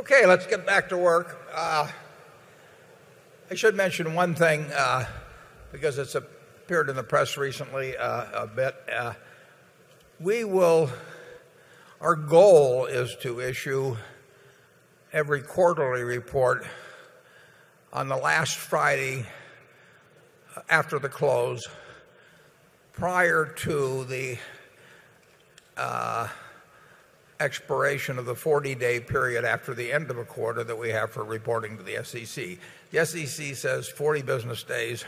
Okay. Let's get back to work. I should mention one thing, because it's appeared in the press recently a bit. Our goal is to issue every quarterly report on the last Friday after the close prior to the expiration of the 40 day period after the end of a quarter that we have for reporting to the SEC. The SEC says 40 business days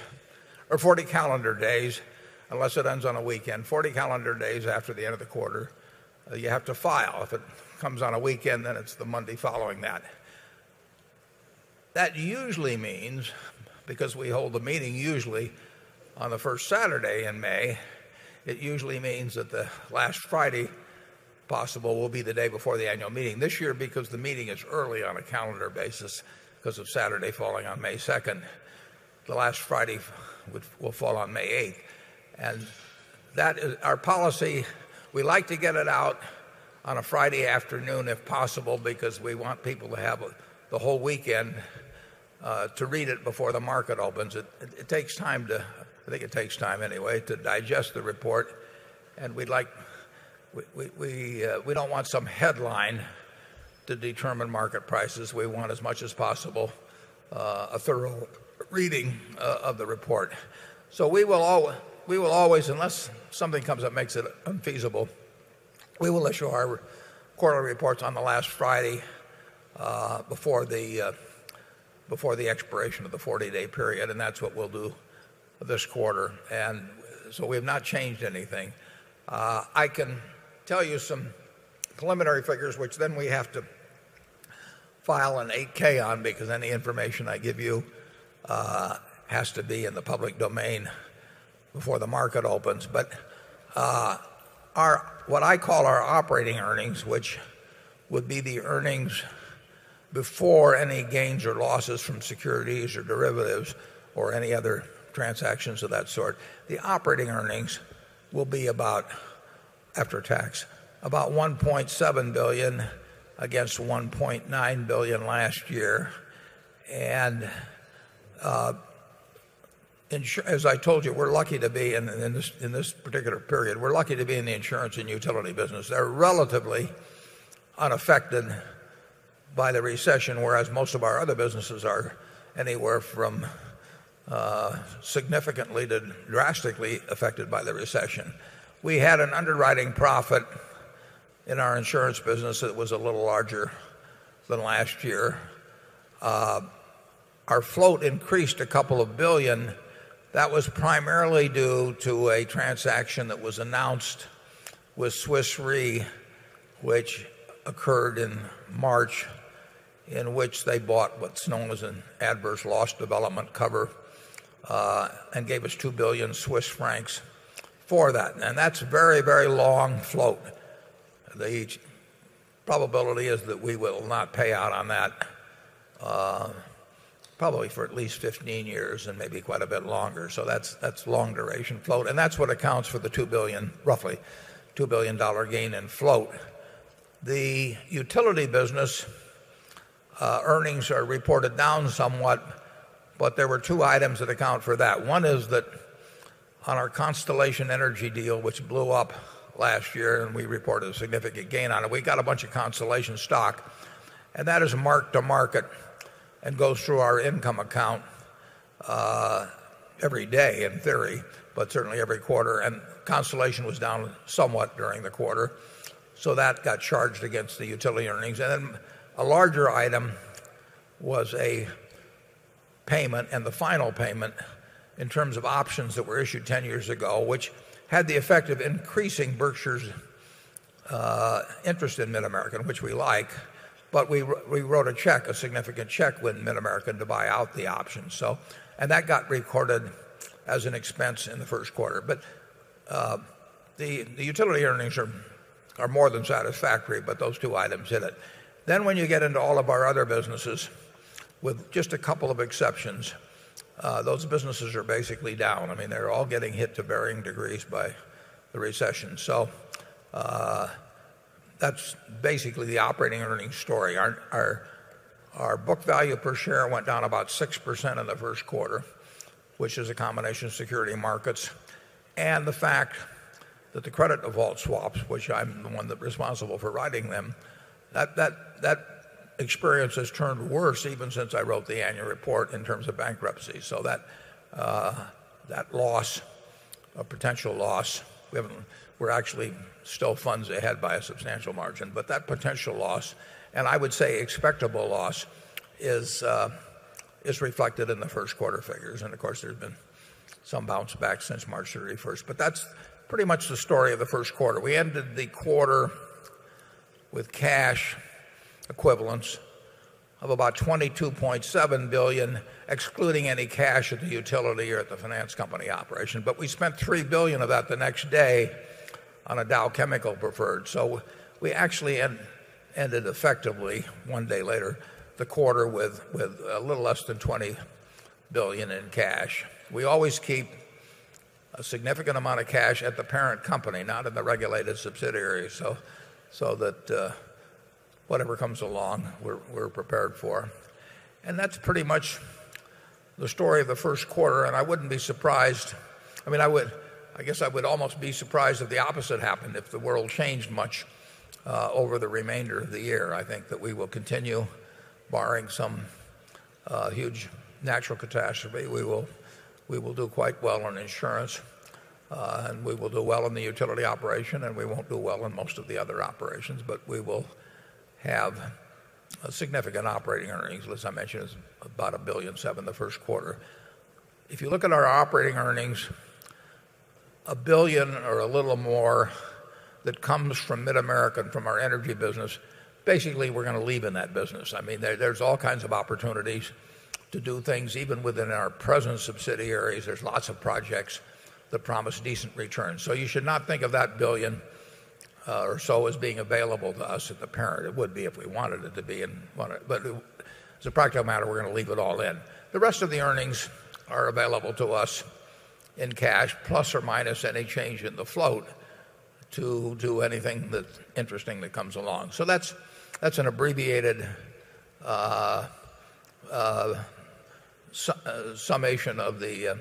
or 40 calendar days unless it ends on a weekend, 40 calendar days after the end of the quarter you have to file. If it comes on a weekend, then it's the Monday following that. That usually means, because we hold a meeting usually on the 1st Saturday in May, it usually means that the last Friday possible will be the day before the annual meeting. This year, because the meeting early on a calendar basis because of Saturday falling on May 2nd, the last Friday will fall on May 8th. And that is our policy, we like to get it out on a Friday afternoon if possible because we want people to have the whole weekend to read it before the market opens. It takes time to I think it takes time anyway to digest the report. And we'd like we don't want some headline to determine market prices. We want, as much as possible, a thorough reading of the report. So we will always, unless something comes up makes it unfeasible, we will issue our quarterly reports on the last Friday before the expiration of the 40 day period and that's what we'll do this quarter. And so we have not changed anything. I can tell you some preliminary figures which then we have to file an 8 ks on because any information I give you has to be in the public domain before the market opens. But what I call our operating earnings, which would be the earnings before any gains or losses from securities or derivatives or any other transactions of that sort. The operating earnings will be about after tax about $1,700,000,000 against $1,900,000,000 last year. And as I told you, we're lucky to be in this particular period, we're lucky to be in the insurance and utility business. They're relatively unaffected by the recession whereas most of our other businesses are anywhere from significantly to drastically affected by the recession. We had an underwriting profit in our insurance business that was a little larger than last year. Our float increased a couple of 1,000,000,000. That was primarily due to a transaction that was announced with Swiss Re, which occurred in March, in which they bought what's known as an adverse loss development cover and gave us 2,000,000,000 Swiss francs for that. And that's a very, very long float. The probability is that we will not pay out on that probably for at least 15 years and maybe quite a bit longer. So that's long duration float. And that's what accounts for the $2,000,000,000 roughly $2,000,000,000 gain in float. The utility business, earnings are reported down somewhat, but there were 2 items that account for that. One is that on our Constellation Energy deal which blew up last year and we reported a significant gain on it, we got a bunch of Constellation stock and that is mark to market and goes through our income account every day in theory, but certainly every quarter and Constellation was down somewhat during the quarter. So that got charged against the utility earnings. And then a larger item was a payment and the final payment in terms of options that were issued 10 years ago, which had the effect of increasing Berkshire's interest in Mid America, which we like, but we wrote a check, a significant check with Mid America to buy out the options. And that got recorded as an expense in the Q1. But the utility earnings are more than satisfactory, but those two items in it. Then when you get into all of our other businesses, with just a couple of exceptions, those businesses are basically down. I mean, they're all getting hit to varying degrees by the recession. So, that's basically the operating earnings story. Our book value per share went down about 6% in the Q1, which is a combination of security and markets and the fact that the credit default swaps, which I'm the one responsible for writing them, that experience has turned worse even since I wrote the annual report in terms of bankruptcy. So that loss, a potential loss, we're actually stow funds ahead by a substantial margin, but that potential loss and I would say expectable loss is reflected in the Q1 figures. And of course, there's been some bounce back since March 31, but that's pretty much the story of the Q1. We ended the quarter with cash equivalents of about $22,700,000,000 excluding any cash at the utility or at the finance company operation. But we spent $3,000,000,000 of that the next day on a Dow Chemical Preferred. So we actually ended effectively, one day later, the quarter with a little less than 20 $1,000,000,000 in cash. We always keep a significant amount of cash at the parent company, not at the regulated subsidiary, so that whatever comes along, we're prepared for. And that's pretty much the story of the Q1, and I wouldn't be surprised I mean, I would I guess I would almost be surprised if the opposite happened if the world changed much, over the remainder of the year. I think that we will continue, barring some huge natural catastrophe. We will do quite well on insurance and we will do well in the utility operation and we won't do well in most of the other operations, but we will have significant operating earnings, which I mentioned is about $1,700,000,000 in the Q1. If you look at our operating earnings, dollars 1,000,000,000 or a little more that comes from Mid America and from our energy business, basically we're going to leave in that business. I mean, there's all kinds of opportunities to do things even within our present subsidiaries. There's lots of projects that promise decent returns. So you should not think of that 1,000,000,000 dollars or so as being available to us at the parent. It would be if we wanted it to be and wanted but it's a practical matter we're going to leave it all in. The rest of the earnings are available to us in cash, plus or minus any change in the float to do anything that's interesting that comes along. So that's an abbreviated summation of the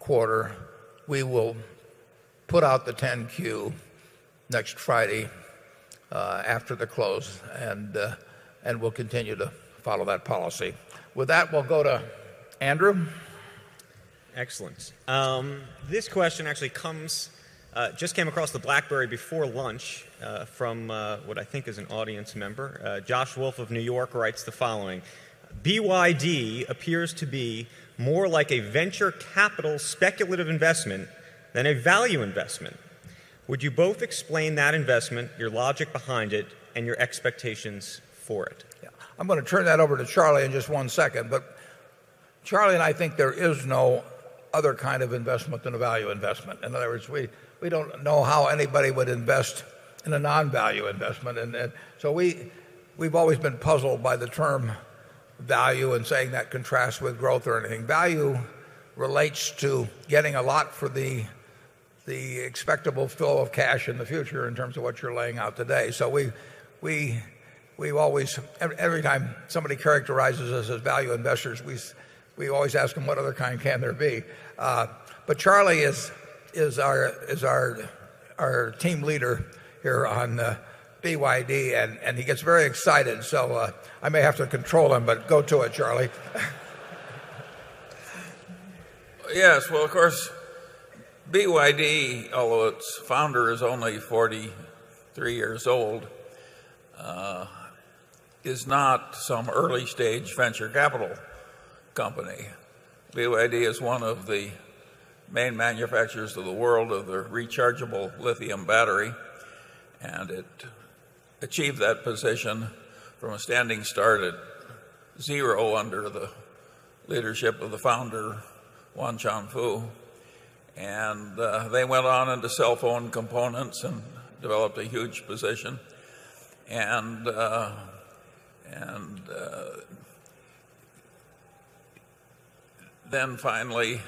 Q1. We will put out the 10 Q next Friday after the close and we'll continue to follow that policy. With that, we'll go to Andrew. Excellent. This question actually comes, just came across the BlackBerry before lunch, from, what I think is an audience member. Josh Wolf of New York writes the following: BYD appears to be more like a venture capital speculative investment than a value investment. Would you both explain that investment, your logic behind it and your expectations for it? Yes. I'm going to turn that over to Charlie in just one second. But Charlie and I think there is no other kind of investment than a value investment. In other words, we don't know how anybody would invest in a non value investment. And so we've always been puzzled by the term value and saying that contrasts with growth or anything. Value relates to getting a lot for the expectable flow of cash in the future in terms of what you're laying out today. So we've always every time somebody characterizes us as value investors, we always ask them what other kind can there be. But Charlie is our team leader here on BYD and he gets very excited. So I may have to control him, but go to it, Charlie. Yes. Well, of course, BYD, although its founder is only 43 years old, is not some early stage venture capital company. BYD is one of the main manufacturers of the world of the rechargeable lithium battery and it achieved that position from a standing start at 0 under the leadership of the founder, Wan Chuan Fu. And they went on into cell phone components and developed a huge position. And and then finally,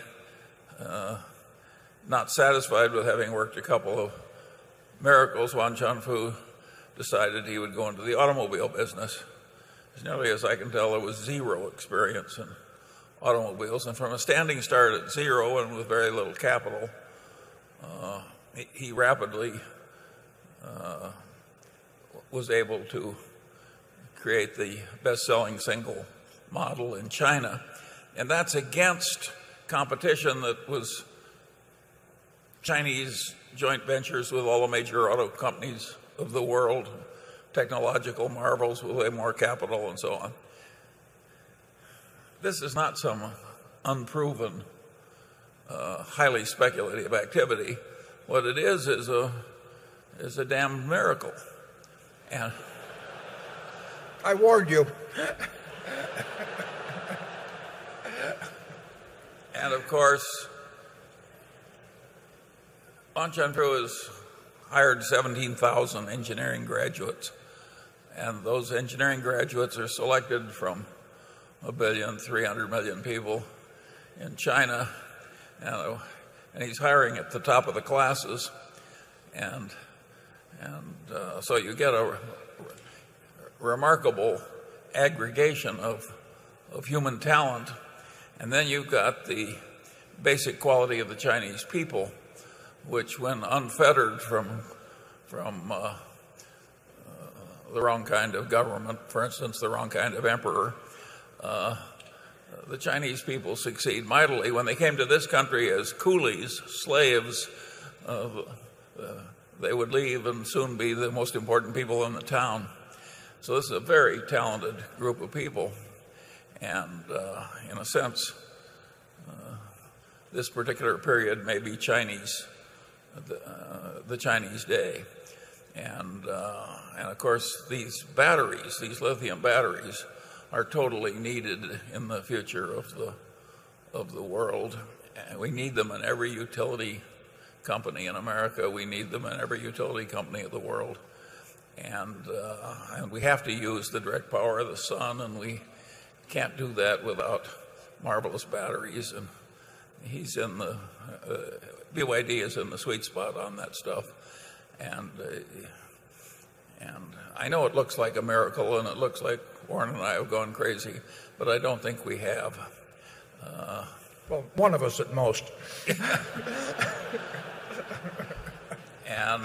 not satisfied with having worked a couple of miracles, Wan Jian Fu decided he would go into the automobile business. As nearly as I can tell, it was 0 experience in automobiles and from a standing start at 0 and with very little capital, he rapidly was able to create the best selling single model in China. And that's against competition that was Chinese joint ventures with all the major auto companies of the world, technological marvels who have more capital and so on. This is not some unproven, highly speculative activity. What it is, is a damn miracle. I warned you. And of course, Hong Kong has hired 17,000 engineering graduates And those engineering graduates are selected from a 1,300,000,000 people in China. And he's hiring at the top of the classes. And so you get a remarkable aggregation of human talent. And then you've got the basic quality of the Chinese people which when unfettered from the wrong kind of government, for instance, the wrong kind of emperor, the Chinese people succeed mightily when they came to this country as coolies, slaves. They would leave and soon be the most important people in the town. So this is a very talented group of people. And in a sense, this particular period may be the Chinese day. And of course, these batteries, these lithium batteries are totally needed in the future of the world. We need them in every utility company in America. We need them in every utility company in the world. And we have to use the direct power of the sun and we can't do that without marvelous batteries. And he's in the BYD is in the sweet spot on that stuff. And I know it looks like a miracle and it looks like Warren and I have gone crazy, but I don't think we have. Well, one of us at most. And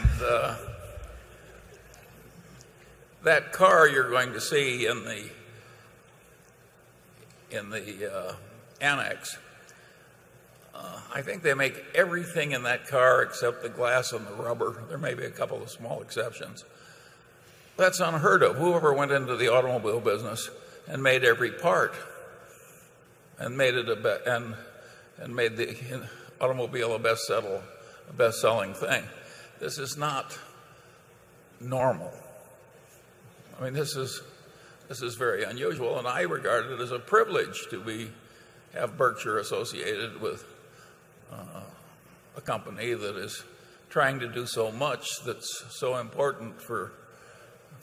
that car you're going to see in the in the annex, I think they make everything in that car except the glass and the rubber. There may be a couple of small exceptions. That's unheard of. Whoever went into the automobile business and made every part and made it a bit and made the automobile a best selling thing. This is not normal. Mean, this is very unusual and I regard it as a privilege to be have Berkshire associated with a company that is trying to do so much that's so important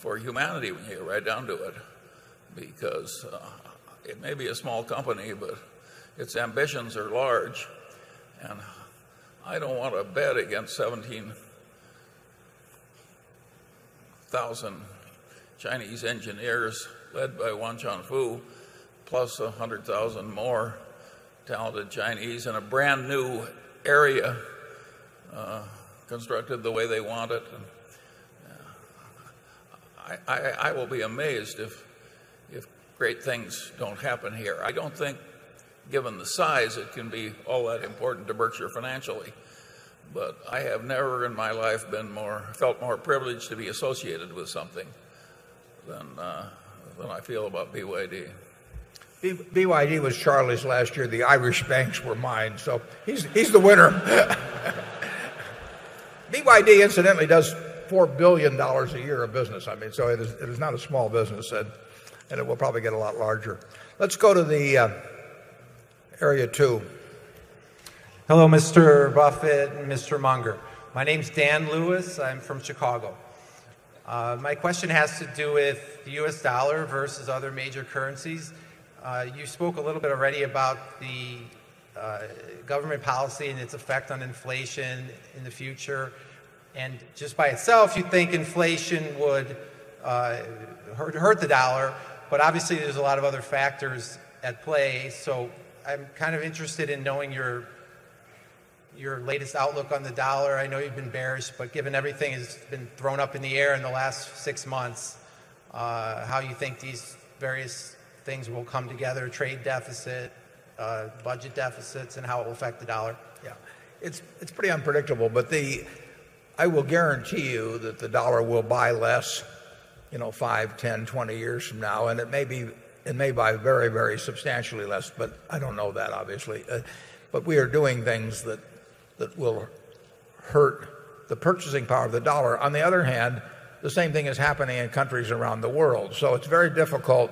for humanity when you get right down to it because it may be a small company but its ambitions are large and I don't want to bet against 17 1,000 Chinese engineers led by Wan Jianfu plus 100,000 more talented Chinese and a brand new area constructed the way they want it. I will be amazed if great things don't happen here. I don't think, given the size, it can be all that important to Berkshire financially. But I have never in my life been more felt more privileged to be associated with something than I feel about BYD. BYD was Charlie's last year. The Irish banks were mine. So he's the winner. BYD incidentally does $4,000,000,000 a year of business. I mean, so it is not a small business and it will probably get a lot larger. Let's go to the area 2. Hello, Mr. Buffett and Mr. Munger. My name is Dan Lewis. I'm from Chicago. My question has to do with the U. S. Dollar versus other major currencies. You spoke a little bit already about the government policy and its effect on inflation in the future. And just by itself, you think inflation would hurt the dollar, but obviously there's a lot of other factors at play. So I'm kind of interested in knowing your latest outlook on the dollar. I know you've been bearish, but given everything has been thrown up in the air in the last 6 months, how you think these various things will come together, trade deficit, budget deficits and how it will affect the dollar? Yes. It's pretty unpredictable. But the I will guarantee you that the dollar will buy less, you know, 5, 10, 20 years from now. And it may be it may buy very, very substantially less, but I don't know that obviously. But we are doing things that will hurt the purchasing power of the dollar. On the other hand, the same thing is happening in countries around the world. So it's very difficult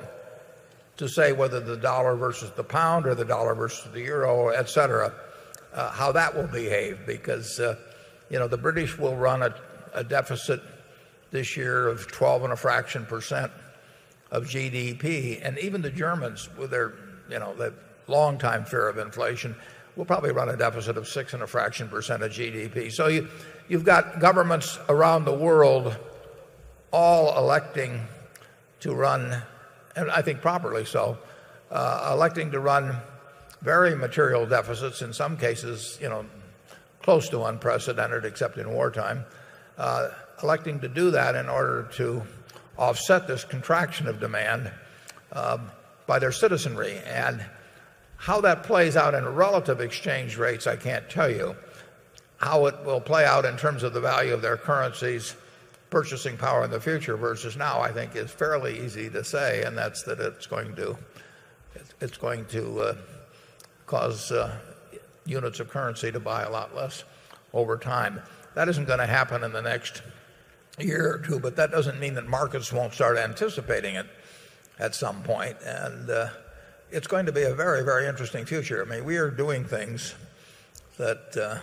to say whether the dollar versus the pound or the dollar versus the euro, etcetera, how that will behave because the British will run a deficit this year of 12.5 percent of GDP and even the Germans with their long time fear of inflation will probably run a deficit of 6.5 percent of GDP. So you've got governments around the world all electing to run, and I think properly so, electing to run very material deficits in some cases close to unprecedented except in wartime, electing to do that in order to offset this contraction of demand by their citizenry. And how that plays out in relative exchange rates, I can't tell you. How it will play out in terms of the value of their currencies purchasing power in the future versus now, I think, is fairly easy to say and that's that it's going to cause units of currency to buy a lot less over time. That isn't going to happen in the next year or 2 but that doesn't mean that markets won't start anticipating it at some point. And it's going to be a very, very interesting future. I mean, we are doing things that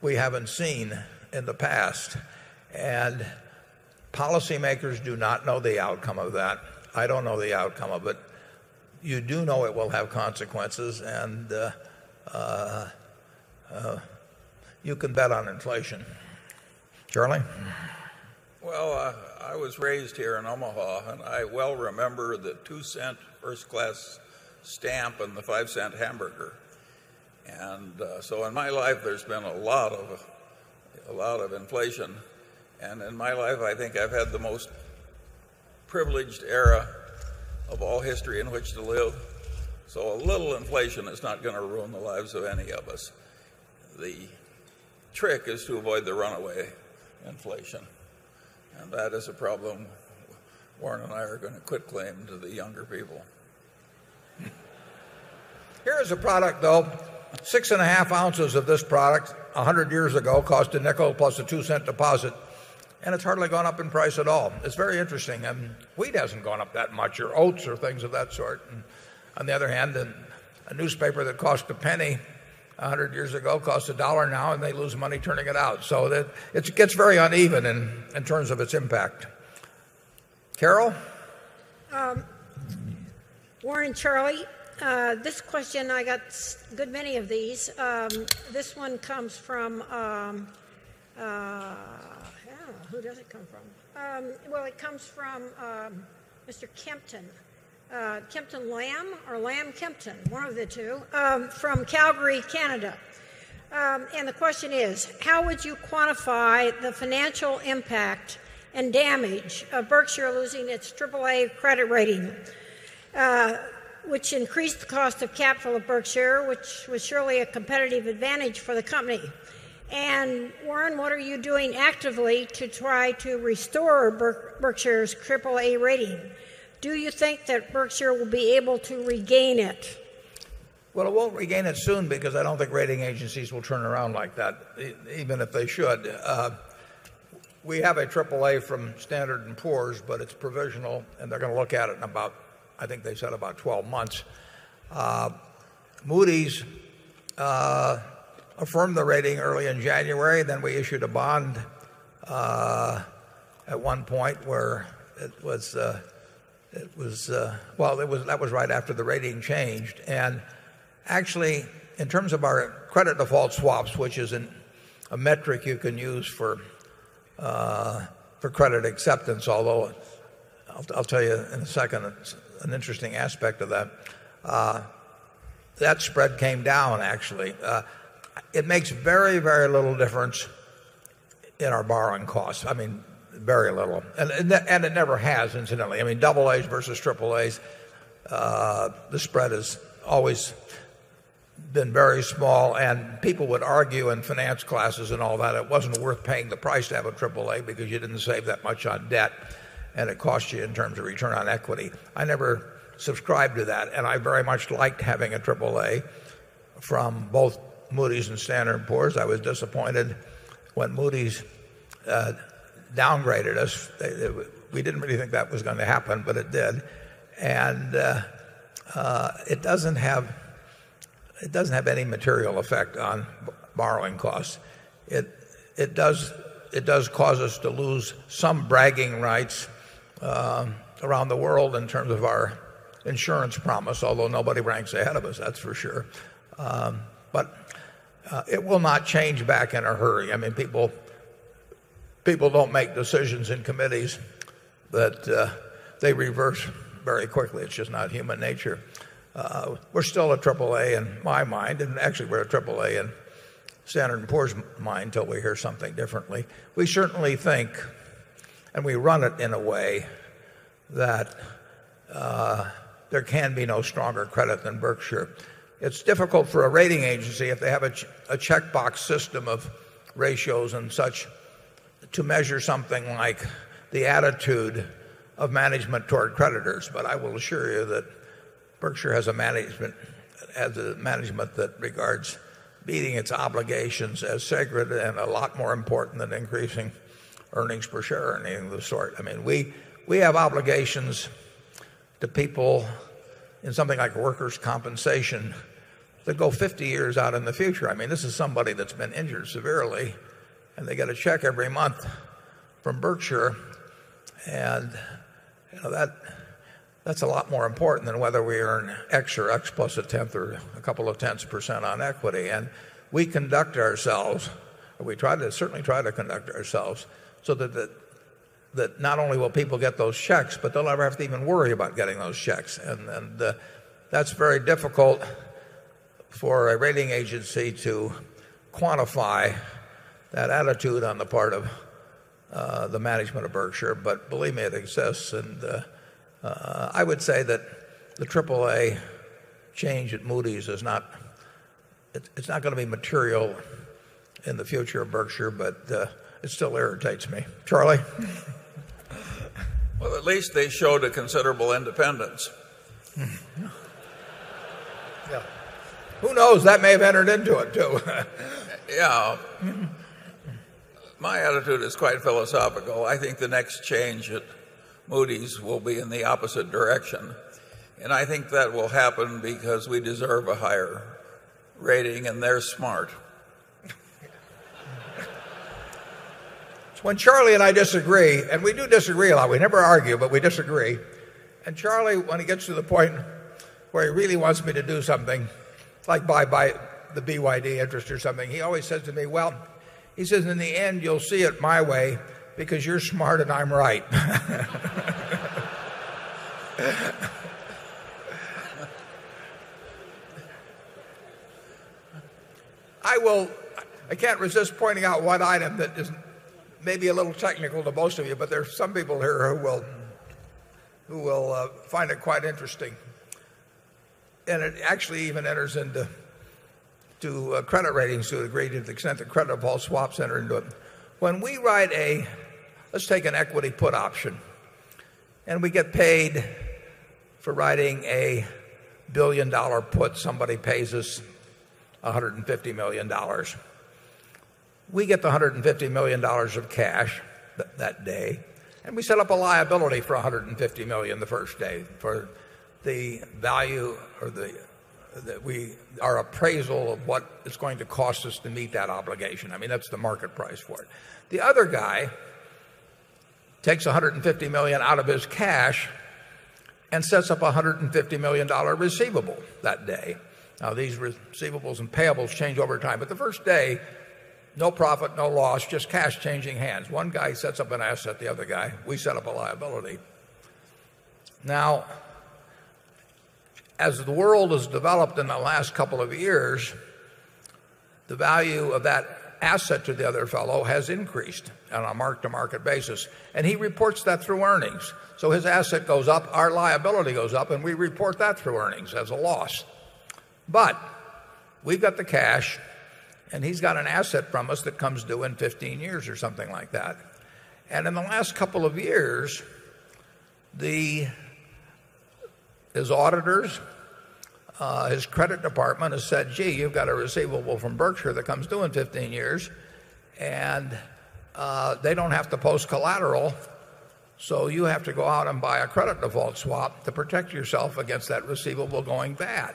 we haven't seen in the past and policymakers do not know the outcome of that. I don't know the outcome of it. You do know it will have consequences and you can bet on inflation. Charlie? Well, I was raised here in Omaha and I well remember the $0.02 1st class stamp and the $0.05 hamburger. And so in my life, there's been a lot of inflation. And in my life, I think I've had the most privileged era of all history in which to live. So a little inflation is not going to ruin the lives of any of us. The trick is to avoid the runaway inflation, and that is a problem Warren and I are going to quit claiming to the younger people. Here is a product though. 6.5 ounces of this product 100 years ago cost a nickel plus a 2¢ deposit and it's hardly gone up in price at all. It's very interesting. Wheat hasn't gone up that much or oats or things of that sort. On the other hand, a newspaper that cost a penny 100 years ago costs a dollar now and they lose money turning it out. So it gets very uneven in terms of its impact. Carol? Warren and Charlie. This question, I got good many of these. This one comes from well, it comes from Mr. Kimpton. Kempton Lamb or Lamb Kempton, one of the 2, from Calgary, Canada. And the question is, how would you quantify the financial impact and damage of Berkshire losing its AAA credit rating, which increased the cost of capital of Berkshire, which was surely a competitive advantage for the company. And Warren, what are you doing actively to try to restore Berkshire's AAA rating? Do you think that Berkshire will be able to regain it? Well, it won't regain it soon because I don't think rating agencies will turn around like that even if they should. We have a AAA from Standard and Poor's, but it's provisional and they're going to look at it in about, I think they said about 12 months. Moody's affirmed the rating early in January, then we issued a bond at one point where it was, well, that was right after the rating changed. And actually, in terms of our credit default swaps, which isn't a metric you can use for credit acceptance, although I'll tell you in a second an interesting aspect of that, That spread came down actually. It makes very, very little difference in our borrowing costs. I mean, very little. And it never has incidentally. I mean, AAAs versus AAA, the spread has always been very small and people would argue in finance classes and all that, it wasn't worth paying the price to have a AAA because you didn't save that much on debt and it cost you in terms of return on equity. I never subscribed to that and I very much liked having a AAA from both Moody's and Standard and Poor's. I was disappointed when Moody's downgraded us. We didn't really think that was going to happen but it did. And it doesn't have any material effect on borrowing costs. It does cause us to lose some bragging rights around the world in terms of our insurance promise, although nobody ranks ahead of us, that's for sure. But it will not change back in a hurry. People don't make decisions in committees that they reverse very quickly. It's just not human nature. We're still a AAA in my mind and actually we're a AAA in Standard and Poor's mind till we hear something differently. We certainly think and we run it in a way that there can be no stronger credit than Berkshire. It's difficult for a rating agency if they have a checkbox system of ratios and such to measure something like the attitude of management toward creditors but I will assure you that Berkshire has a management that regards meeting its obligations as sacred and a lot more important than increasing earnings per share or anything of the sort. I mean, we have obligations to people in something like workers' compensation that go 50 years out in the future. I mean, this is somebody that's been injured severely and they get a check every month from Berkshire and that's a lot more important than whether we earn X or X plus a tenth or a couple of tenths percent on equity. And we conduct ourselves, we certainly try to conduct ourselves so that not only will people get those checks but they'll never have to even worry about getting those checks. And that's very difficult for a rating agency to quantify that attitude on the part of the management of Berkshire, but believe me, it exists. And I would say that the AAA change at Moody's is not it's not going to be material in the future of Berkshire, but it still irritates me. Charlie? Well, at least they showed a considerable independence. Who knows? That may have entered into it too. Yes. My attitude is quite philosophical. I think the next change at Moody's will be in the opposite direction. And I think that will happen because we deserve a higher rating and they're smart. So when Charlie and I disagree, and we do disagree a lot, we never argue, but we disagree. And Charlie, when it gets to the point where he really wants me to do something, like bye bye the BYD interest or something, he always says to me, well, he says, in the end, you'll see it my way because you're smart and I'm right. I will I can't resist pointing out one item that just may be a little technical to most of you, but there are some people here who will will find it quite interesting. And it actually even enters into credit ratings to the degree to the extent that credit default swaps enter into it. When we write a let's take an equity put option and we get paid for writing a $1,000,000,000 put, somebody pays us $150,000,000 We get the $150,000,000 of cash that day and we set up a liability for $150,000,000 the 1st day for the value or the that we our appraisal of what is going to cost us to meet that obligation. I mean, that's the market price for it. The other guy takes $150,000,000 out of his cash and sets up $150,000,000 receivable that day. Now these receivables and payables change over time. But the 1st day, no profit, no loss, just cash changing hands. 1 guy sets up an asset, the other guy we set up a liability. Now as the world has developed in the last couple of years, the value of that asset to the other fellow has increased on a mark to market basis. And he reports that through earnings. So his asset goes up, our liability goes up and we report that through earnings as a loss. But we've got the cash, And in the last couple of years, his auditors, his credit department has said, gee, you've got a receivable from Berkshire that comes due in 15 years and they don't have to post collateral So you have to go out and buy a credit default swap to protect yourself against that receivable going bad.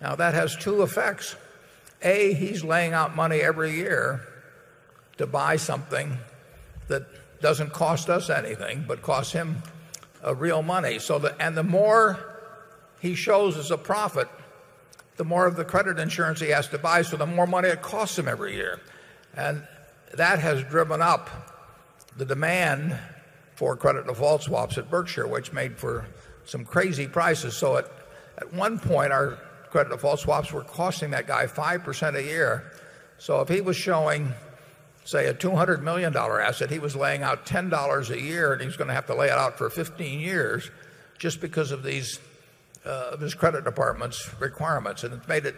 Now that has two effects. A, he's laying out money every year to buy something that doesn't cost us anything but costs him real money. And the more he shows as a profit, the more of the credit insurance he has to buy, so the more money it costs him every year. And that has driven up the demand for credit default swaps at Berkshire which made for some crazy prices. So at one point, our credit default swaps were costing that guy 5% a year. So if he was showing, say a $200,000,000 asset, he was laying out $10 a year and he was going to have to lay it out for 15 years just because of his credit department's requirements. And it's made it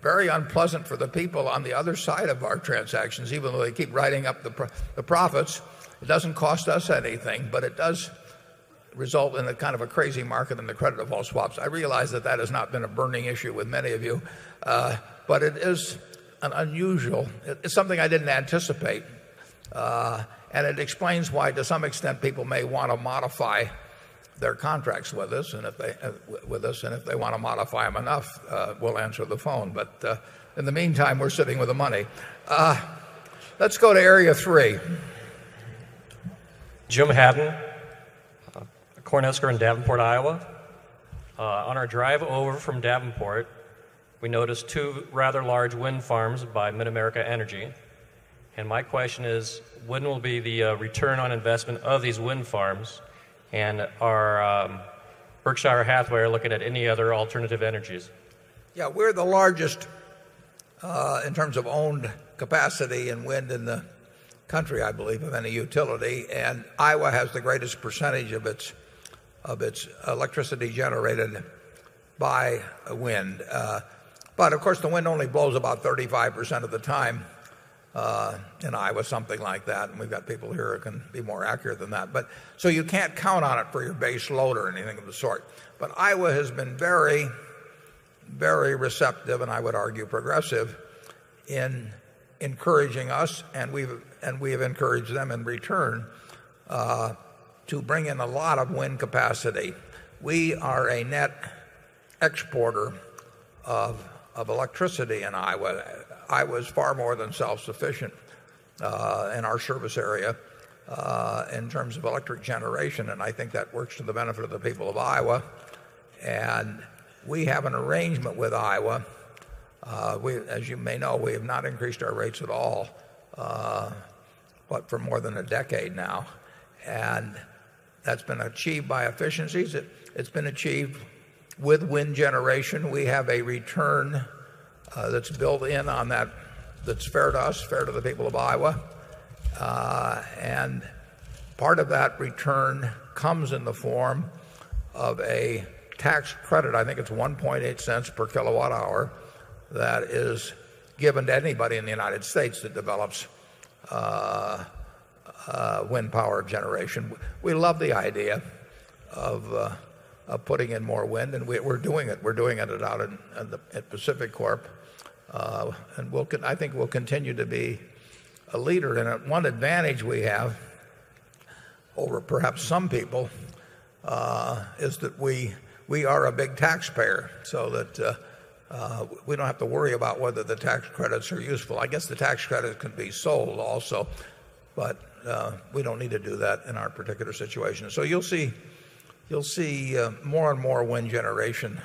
very unpleasant for the people on the other side of our transactions, even though they keep writing up the profits. It doesn't cost us anything but it does result in a kind of a crazy market and the credit default swaps. I realize that that has not been a burning issue with many of you but it is an unusual it's something I didn't anticipate. And it explains why to some extent people may want to modify their contracts with us and if they want to modify them enough, we'll answer the phone. But in the meantime, we're sitting with the money. Let's go to Area 3. Jim Hatten, Cornhusker in Davenport, Iowa. On our drive over from Davenport, we noticed 2 rather large wind farms by Mid America Energy. And my question is when will be the return on investment of these wind farms and are Berkshire Hathaway looking at any other alternative energies? Yes, we're the largest in terms of owned capacity and wind in the country, I believe, of any utility. And Iowa has the greatest percentage of its electricity generated by wind. But of course, the wind only blows about 35% of the time in Iowa, something like that and we've got people here who can be more accurate than that. But So you can't count on it for your baseload or anything of the sort. But Iowa has been very, very receptive and I would argue progressive in encouraging us and we have encouraged them in return to bring in a lot of wind capacity. We are a net exporter of electricity in Iowa. Iowa is far more than self sufficient in our service area in terms of electric generation and I think that works to the benefit of the people of Iowa. And we have an arrangement with Iowa. As you may know, we have not increased our rates at all but for more than a decade now and that's been achieved by efficiencies. It's been achieved with wind generation. We have a return that's built in on that that's fair to us, fair to the people of Iowa. And part of that return comes in the form of a tax credit. I think it's $0.018 per kilowatt hour that is given to anybody in the United States that develops wind power generation. We love the idea of putting in more wind and we're doing it. We're doing it out at Pacific Corp. And I think we'll continue to be a leader. And one advantage we have over perhaps some people, is that we are a big taxpayer so that we don't have to worry about whether the tax credits are useful. I guess the tax credit can be sold also but we don't need to do that in our particular situation. So you'll see more and more wind generation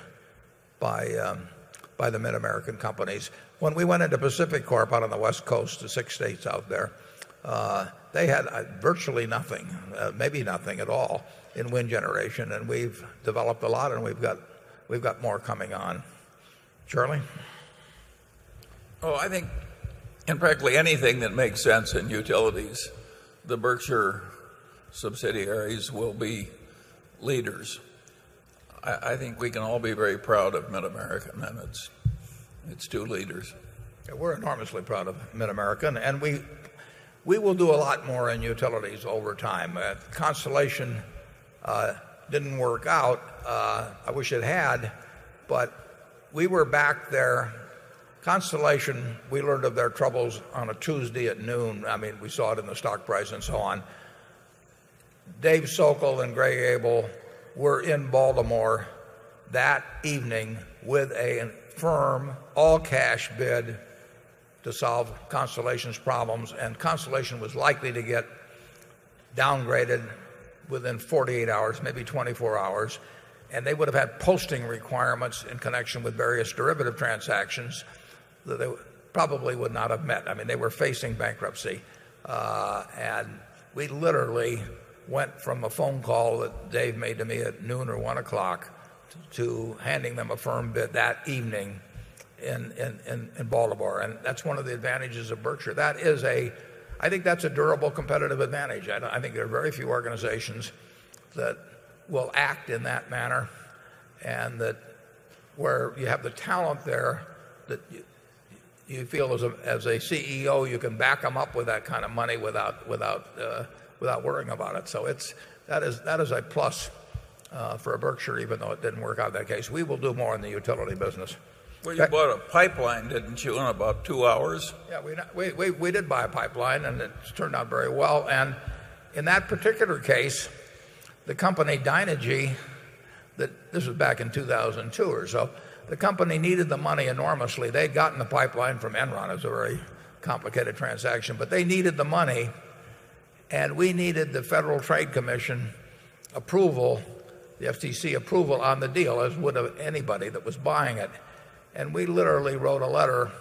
by the Mid American companies. When we went into Pacific Corp out on the West Coast, the 6 states out there, they had virtually nothing, maybe nothing at all in wind generation and we've developed a lot and we've got more coming on. Charlie? Oh, I think in practically anything that makes sense in utilities, the Berkshire subsidiaries will be leaders. I think we can all be very proud of Mid America, and that's its 2 leaders. We're enormously proud of Mid America, and we will do a lot more in utilities over time. Constellation didn't work out. I wish it had, but we were back there. Constellation, we learned of their troubles on a Tuesday at noon. I mean, we saw it in the stock price and so on. Dave Sokol and Greg Abel were in Baltimore that evening with a firm all cash bid to solve Constellation's problems. And Constellation was likely to get downgraded within 48 hours, maybe 24 hours. And they would have had posting requirements in connection with various derivative transactions that they probably would not have met. I mean, they were facing bankruptcy. And we literally went from a phone call that Dave made to me at noon or 1 o'clock to handing them a firm bid that evening in Bolivar. And that's one of the advantages of Berkshire. That is a I think that's a durable competitive advantage. I think there are very few organizations that will act in that manner and that where you have the talent there that you feel as a CEO you can back them up with that kind of money without worrying about it. So that is a plus for a Berkshire even though it didn't work out in that case. We will do more in the utility business. Well, you bought a pipeline, didn't you, in about 2 hours? Yes. We did buy a pipeline and it's turned out very well. And in that particular case, the company DynaGE, this was back in 2002 or so, the company needed the money enormously. They'd gotten the pipeline from Enron. It was a very complicated transaction but they needed the money and we needed the Federal Trade Commission approval, the FTC approval on the deal as would anybody that was buying it. And we literally wrote a letter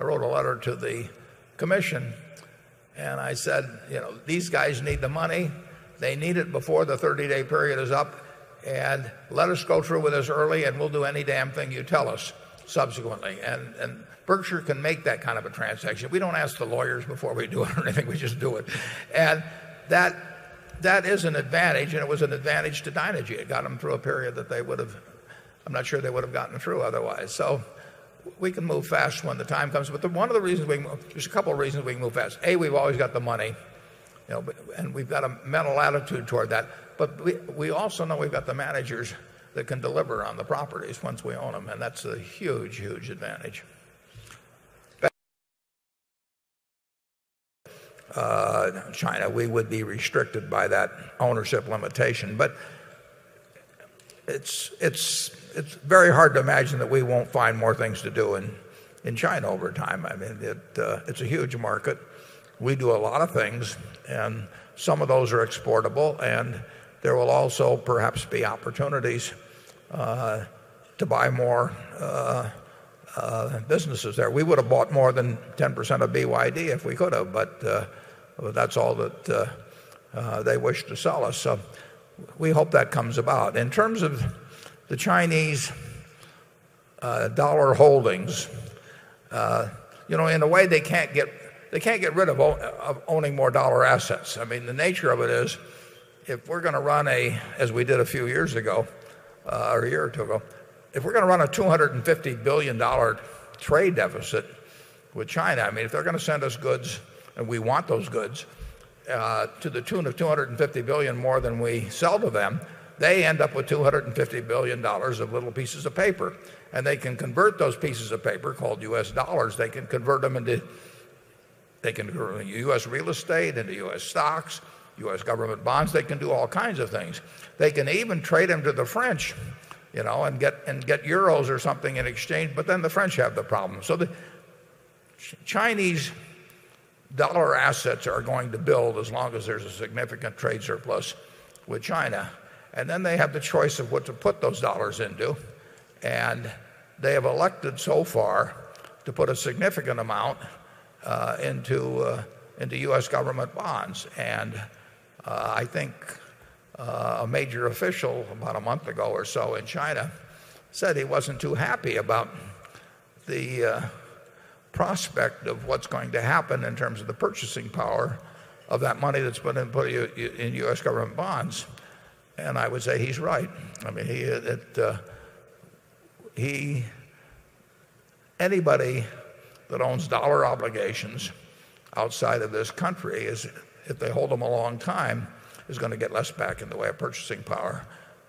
I wrote a letter to the commission and I said, you know, these guys need the money. They need it before the 30 day period is up and let us go through with us early and we'll do any damn thing you tell us subsequently. And Berkshire can make that kind of a transaction. We don't ask the lawyers before we do it or anything. We just do it. And that is an advantage and it was an advantage to Dynegy. It got them through a period that they would have I'm not sure they would have gotten through otherwise. So we can move fast when the time comes. But one of the reasons we can there's a couple of reasons we can move fast. A, we've always got the money and we've got a mental attitude toward that. But we also know we've got the managers that can deliver on the properties once we own them and that's a huge, huge advantage. China, we would be restricted by that ownership limitation, but it's very hard to imagine that we won't find more things to do in China over time. I mean, it's a huge market. We do a lot of things and some of those are exportable and there will also perhaps be opportunities to buy more businesses there. We would have bought more than 10% of BYD if we could have but that's all that they wish to sell us. So we hope that comes about. In terms of the Chinese dollar holdings, you know, in a way, they can't get they can't get rid of of owning more dollar assets. I mean, the nature of it is if we're going to run a as we did a few years ago or a year or 2 ago, if we're going to run a $250,000,000,000 trade deficit with China, I mean, if they're going to send us goods and we want those goods to the tune of $250,000,000,000 more than we sell to them, they end up with $250,000,000,000 of little pieces of paper and they can convert those pieces of paper called U. S. Dollars. They can convert them into US real estate, into US stocks, US government bonds. They can do all kinds of things. They can even trade them to the French and get euros or something in exchange, but then the French have the problem. So the Chinese dollar assets are going to build as long as there's a significant trade surplus with China and then they have the choice of what to put those dollars into And they have elected so far to put a significant amount into US government bonds. And I think a major official about a month ago or so in China said he wasn't too happy about the prospect of what's going to happen in terms of the purchasing power of that money that's been put in US government bonds and I would say he's right. I mean, anybody that owns dollar obligations outside of this country is if they hold them a long time is going to get less back in the way of purchasing power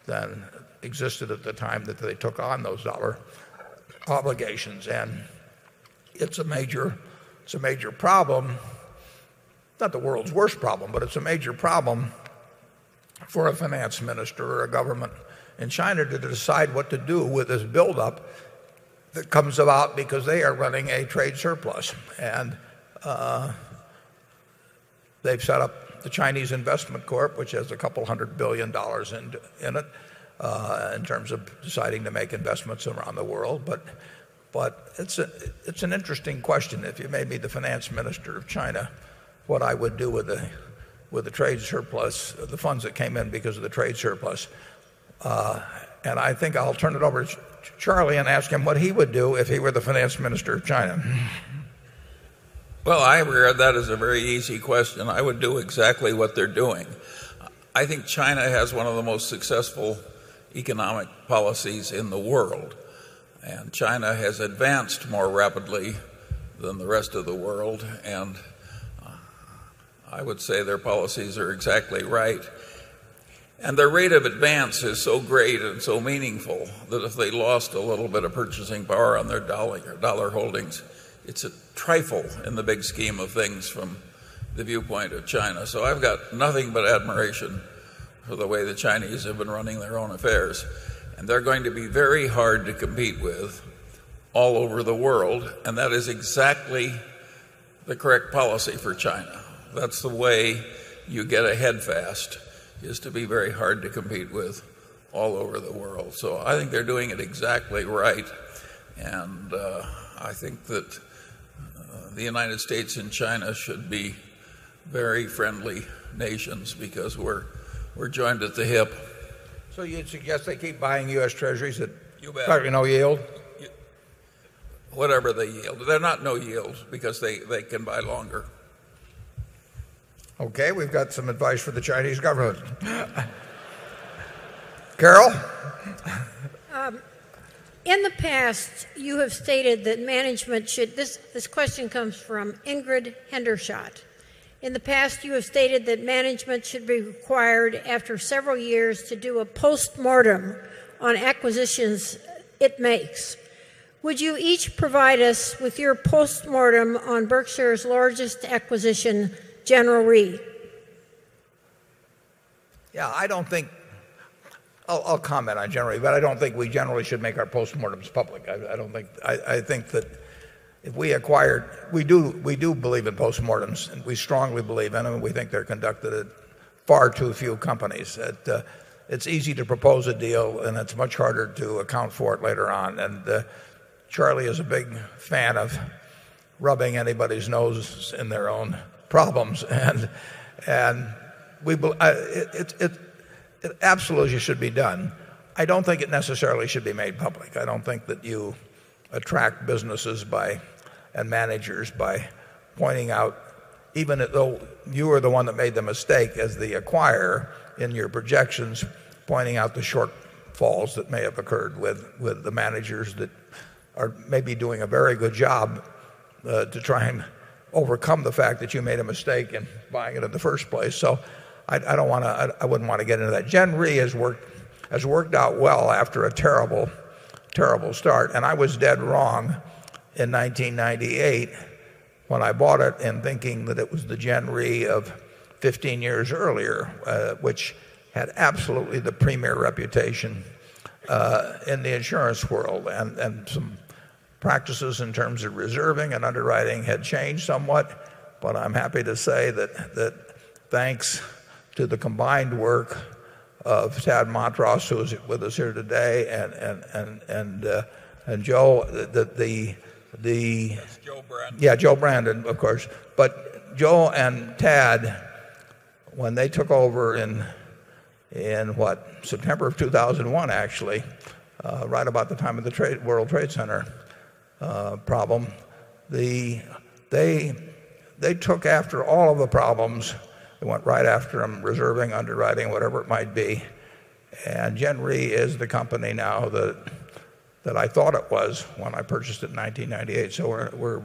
than existed at the time that they took on those dollar obligations. And it's a major problem, not the world's worst problem, but it's a major problem for a finance minister or a government in China to decide what to do with this buildup that comes about because they are running a trade surplus. And they've set up the Chinese Investment Corp, which has a couple $100,000,000,000 in it in terms of deciding to make investments around the world. But it's an interesting question. If you may be the finance minister of China, what I would do with the trade surplus, the funds that came in because of the trade surplus. And I think I'll turn it over to Charlie and ask him what he would do if he were the Finance Minister of China. Well, I agree that is a very easy question. I would do exactly what they're doing. I think China has one of the most successful economic policies in the world and China has advanced more rapidly than the rest of the world and I would say their policies are exactly right. And their rate of advance is so great and so meaningful that if they lost a little bit of purchasing power on their dollar holdings, It's a trifle in the big scheme of things from the viewpoint of China. So I've got nothing but admiration for the way the Chinese have been running their own affairs. And they're going to be very hard to compete with all over the world and that is exactly the correct policy for China. That's the way you get ahead fast is to be very hard to compete with all over the world. So I think they're doing it exactly right and I think that the United States and China should be very friendly nations because we're joined at the hip. So you'd suggest they keep buying U. S. Treasuries that target no yield? Whatever they yield. They're not no yields because they can buy longer. Okay. We've got some advice for the Chinese government. Carol? In the past, you have stated that management should this question comes from Ingrid Hendershot. In the past, you have stated that management should be required after several years to do a postmortem on acquisitions it makes. Would you each provide us with your postmortem on Berkshire's largest acquisition, General Re? Yeah, I don't think I'll comment on General Re but I don't think we generally should make our postmortems public. I think that if we acquire we do believe in postmortems and we strongly believe in them and we think they're conducted at far too few companies. It's easy to propose a deal and it's much harder to account for it later on. And Charlie is a big fan of rubbing anybody's noses in their own problems. And it absolutely should be done. I don't think it necessarily should be made public. I don't think that you attract businesses by, and managers by pointing out even though you were the one that made the mistake as the acquirer in your projections, pointing out the short falls that may have occurred with the managers that are maybe doing a very good job to try and overcome the fact that you made a mistake in buying it in the 1st place. So I don't want to I wouldn't want to get into that. Gen Re has worked out well after a terrible, terrible start and I was dead wrong in 1998 when I bought it and thinking that it was the Gen Re of 15 years earlier, which had absolutely the premier reputation in the insurance world. And some practices in terms of reserving and underwriting had changed somewhat. But I'm happy to say that thanks to the combined work of Tad Montross who is with us here today and Joe that the yeah, Joe Brandon of course. But Joe and Tad, when they took over in what September of 2,001 actually, right about the time of the World Trade Center problem, they took after all of the problems. They went right after them reserving, underwriting, whatever it might be. And GenRe is the company now that I thought it was when I purchased it in 1998. So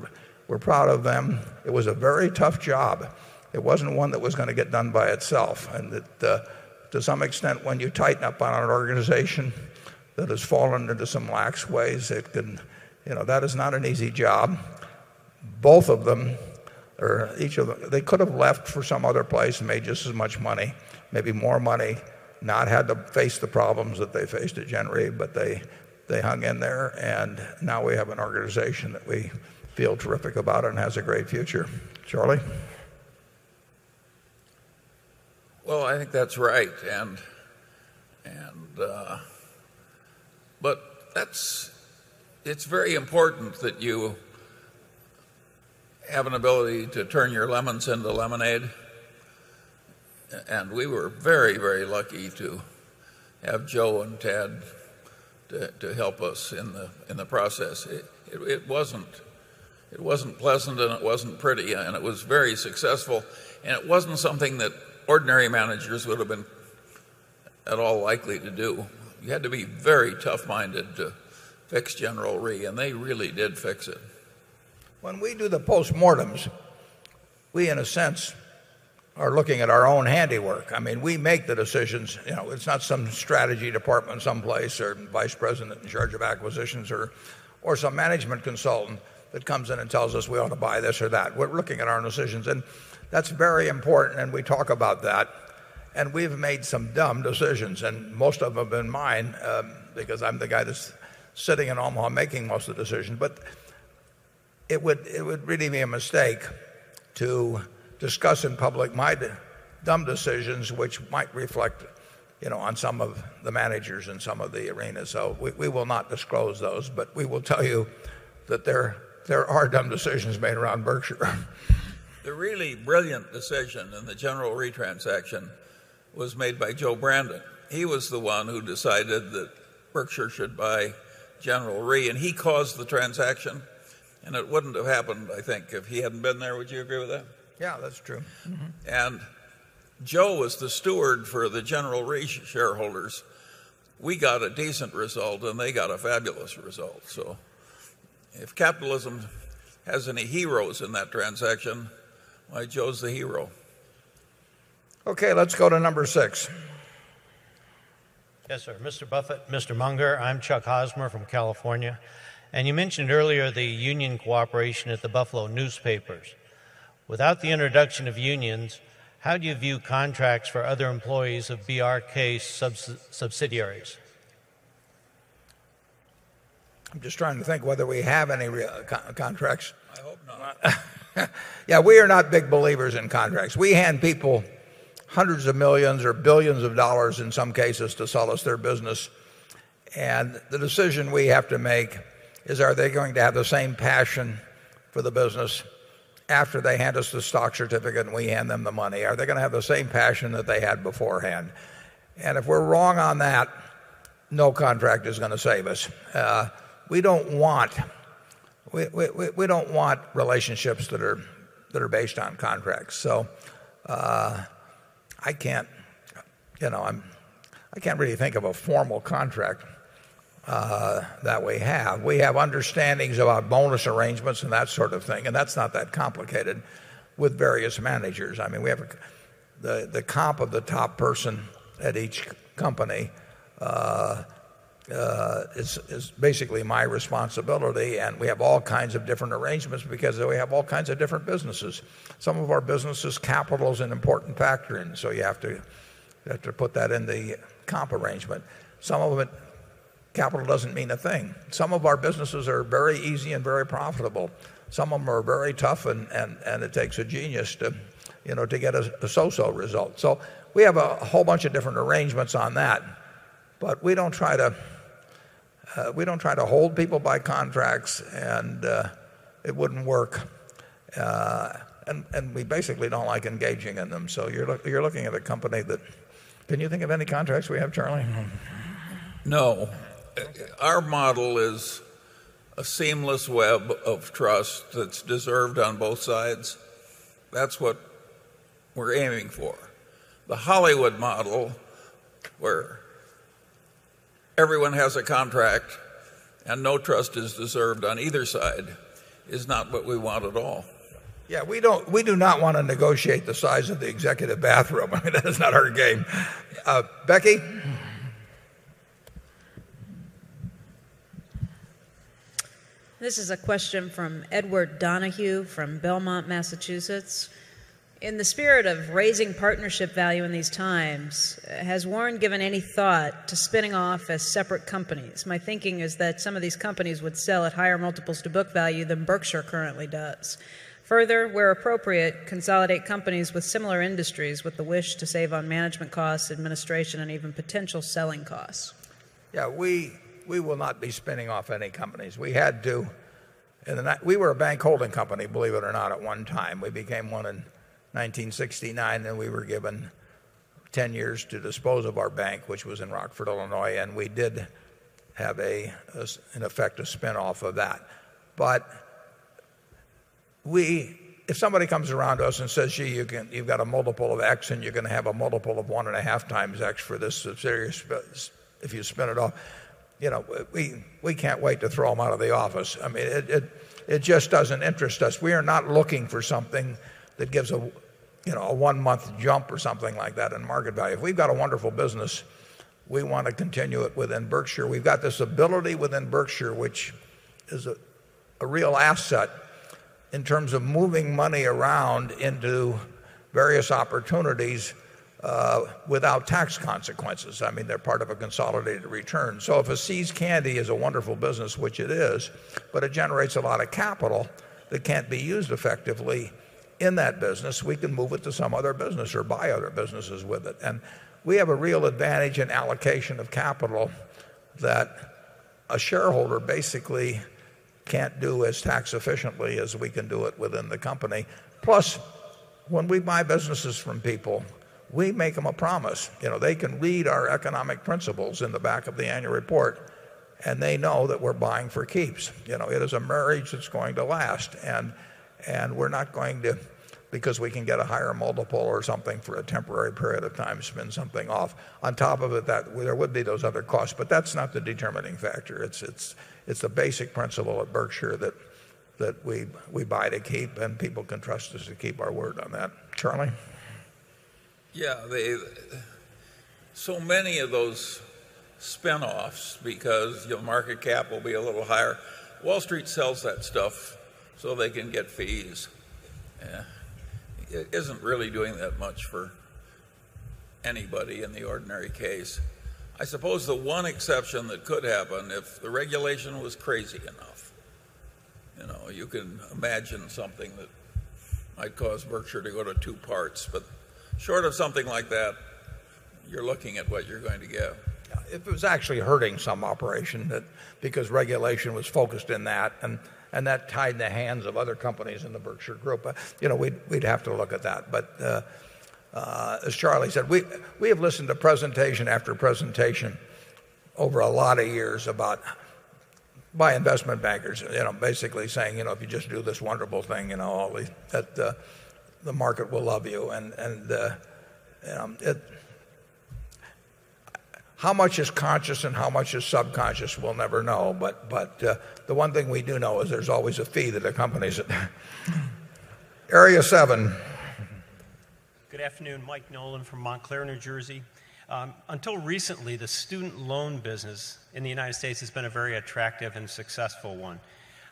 we're proud of them. It was a very tough job. Wasn't one that was going to get done by itself and that to some extent when you tighten up on an organization that has fallen into some lax ways, That is not an easy job. Both of them or each of them, they could have left for some other place and made just as much money, maybe more money, not had to face the problems that they faced at January, but they hung in there and now we have an organization that we feel terrific about and has a great future. Charlie? Well, I think that's right And but that's it's very important that you have an ability to turn your lemons into lemonade. And we were very, very lucky to have Joe and Ted to help us in the process. It wasn't pleasant and it wasn't pretty and it was very successful and it wasn't something that ordinary managers would have been at all likely to do. You had to be very tough minded to fix General Rhee and they really did fix it. When we do the post mortems, we in a sense are looking at our own handiwork. I mean, we make the decisions. It's not some strategy department someplace or vice president in charge of acquisitions or some management consultant that comes in and tells us we ought to buy this or that. We're looking at our decisions and that's very important and we talk about that And we've made some dumb decisions and most of them have been mine because I'm the guy that's sitting in Omaha making most of the decisions. But it would really be a mistake to discuss in public my dumb decisions which might reflect on some of the managers in some of the arenas. So we will not disclose those but we will tell you that there are dumb decisions made around Berkshire. The really brilliant decision in the General Re transaction was made by Joe Brandon. He was the one who decided that Berkshire should buy General Re and he caused the transaction and it wouldn't have happened, I think, if he hadn't been there. Would you agree with that? Yes, that's true. And Joe was the steward for the General Reis shareholders. We got a decent result and they got a fabulous result. So if capitalism has any heroes in that transaction, I chose the hero. Okay. Let's go to number 6. Yes, sir. Mr. Buffet, Mr. Munger, I'm Chuck Hosmer from California. And you mentioned earlier the union cooperation at the Buffalo Newspapers. Without the introduction of unions, how do you view contracts for other employees of BRK's subsidiaries? I'm just trying to think whether we have any contracts. I hope not. Yeah, we are not big believers in contracts. We hand people 100 of 1,000,000 or 1,000,000,000 of dollars in some cases to sell us their business. And the decision we have to make is are they going to have the same passion for the business after they hand us the stock certificate and we hand them the money? Are they going to have the same passion that they had beforehand? And if we're wrong on that, no contract is going to save us. We don't want relationships that are based on contracts. So I can't really think of a formal contract that we have. We have understandings about bonus arrangements and that sort of thing, and that's not that complicated with various managers. I mean we have the comp of the top person at each company is basically my responsibility, and we have all kinds of different arrangements because we have all kinds of different businesses. Some of our businesses' capital is an important factor in, so you have to put that in the comp arrangement. Some of it, capital doesn't mean a thing. Some of our businesses are very easy and very profitable. Some of them are very tough and it takes a genius to get a so so result. So we have a whole bunch of different arrangements on that, but we don't try to hold people by contracts and it wouldn't work. And we basically don't like engaging in them. So you're looking at a company that can you think of any contracts we have, Charlie? No. Our model is a seamless web of trust that's deserved on both sides. That's what we're aiming for. The Hollywood model where everyone has a contract and no trust is deserved on either side is not what we want at all. Yeah. We do not want to negotiate the size of the executive bathroom. That's not our game. Becky? This is a question from Edward Donahue from Belmont, Massachusetts. In the spirit of raising partnership value in these times, has Warren given any thought to spinning off as separate companies? My thinking is that some of these companies would sell at higher multiples to book value than Berkshire currently does. Further, where appropriate, consolidate companies with similar industries with the wish to save on management costs, administration and even potential selling costs? Yes, we will not be spinning off any companies. We had to. We were a bank holding company, believe it or not, at one time. We became 1 in 1969 and we were given 10 years to dispose of our bank, which was in Rockford, Illinois, and we did have an effective spin off of that. But if somebody comes around us and says, Gee, you've got a multiple of X and you're going to have a multiple of 1.5 times X for this subsidiary if you spin it off, We can't wait to throw them out of the office. It just doesn't interest us. We are not looking for something that gives a 1 month jump or something like that in market value. We've got a wonderful business. We want to continue it within Berkshire. We've got this ability within Berkshire, which is a real asset in terms of moving money around into various opportunities without tax consequences. They're part of a consolidated return. So if a See's Candy is a wonderful business, which it is, but it generates a lot of capital that can't be used effectively in that business. We can move it to some other business or buy other businesses with it. And we have a real advantage in allocation of capital that a shareholder basically can't do as tax efficiently as we can do it within the company. Plus, when we buy businesses from people, we make them a promise. They can lead our economic principles in the back of the annual report and they know that we're buying for keeps. It is a marriage that's going to last and we're not going to because we can get a higher multiple or something for a temporary period of time to spend something off. On top of it, there would be those other costs, but that's not the determining factor. It's a basic principle at Berkshire that we buy to keep and people can trust us to keep our word on that. Charlie? Yeah. So many of those spin offs because your market cap will be a little higher. Wall Street sells that stuff so they can get fees. It isn't really doing that much for anybody in the ordinary case. I suppose the one exception that could happen if the regulation was crazy enough, you know, you can imagine something that might cause Berkshire to go to 2 parts. But short of something like that, you're looking at what you're going to get. It was actually hurting some operation because regulation was focused in that and that tied in the hands of other companies in the Berkshire Group. We'd have to look at that. But as Charlie said, we have listened to presentation after presentation over a lot of years about by investment bankers basically saying if you just do this wonderful thing, the market will love you. And how much is conscious and how much is subconscious, we'll never know. But the one thing we do know is there's always a fee that accompanies it. Area 7. Good afternoon. Mike Nolan from Montclair, New Jersey. Until recently, the student loan business in the United States has been a very attractive and successful one.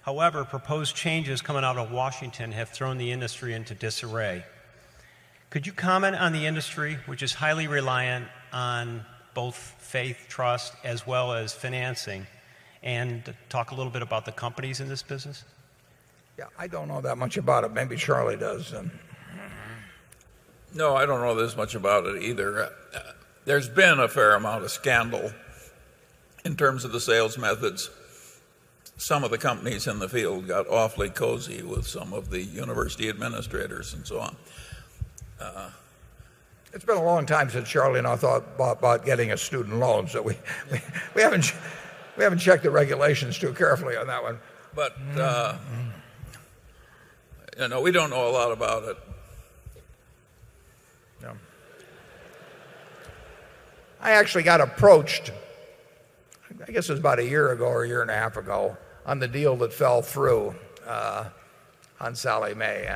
However, proposed changes coming out of Washington have thrown the industry into disarray. Could you comment on the industry, which is highly reliant on both faith, trust, as well as financing? And talk a little bit about the companies in this business? Yes. I don't know that much about it. Maybe Charlie does. No, I don't know this much about it either. There's been a fair amount of scandal in terms of the sales methods. Some of the companies in the field got awfully cozy with some of the university administrators and so on. It's been a long time since Charlie and I thought about getting a student loan. So we haven't checked the regulations too carefully on that one. But, we don't know a lot about it. I actually got approached, I guess it was about a year ago or a year and a half ago on the deal that fell through on Sallie Mae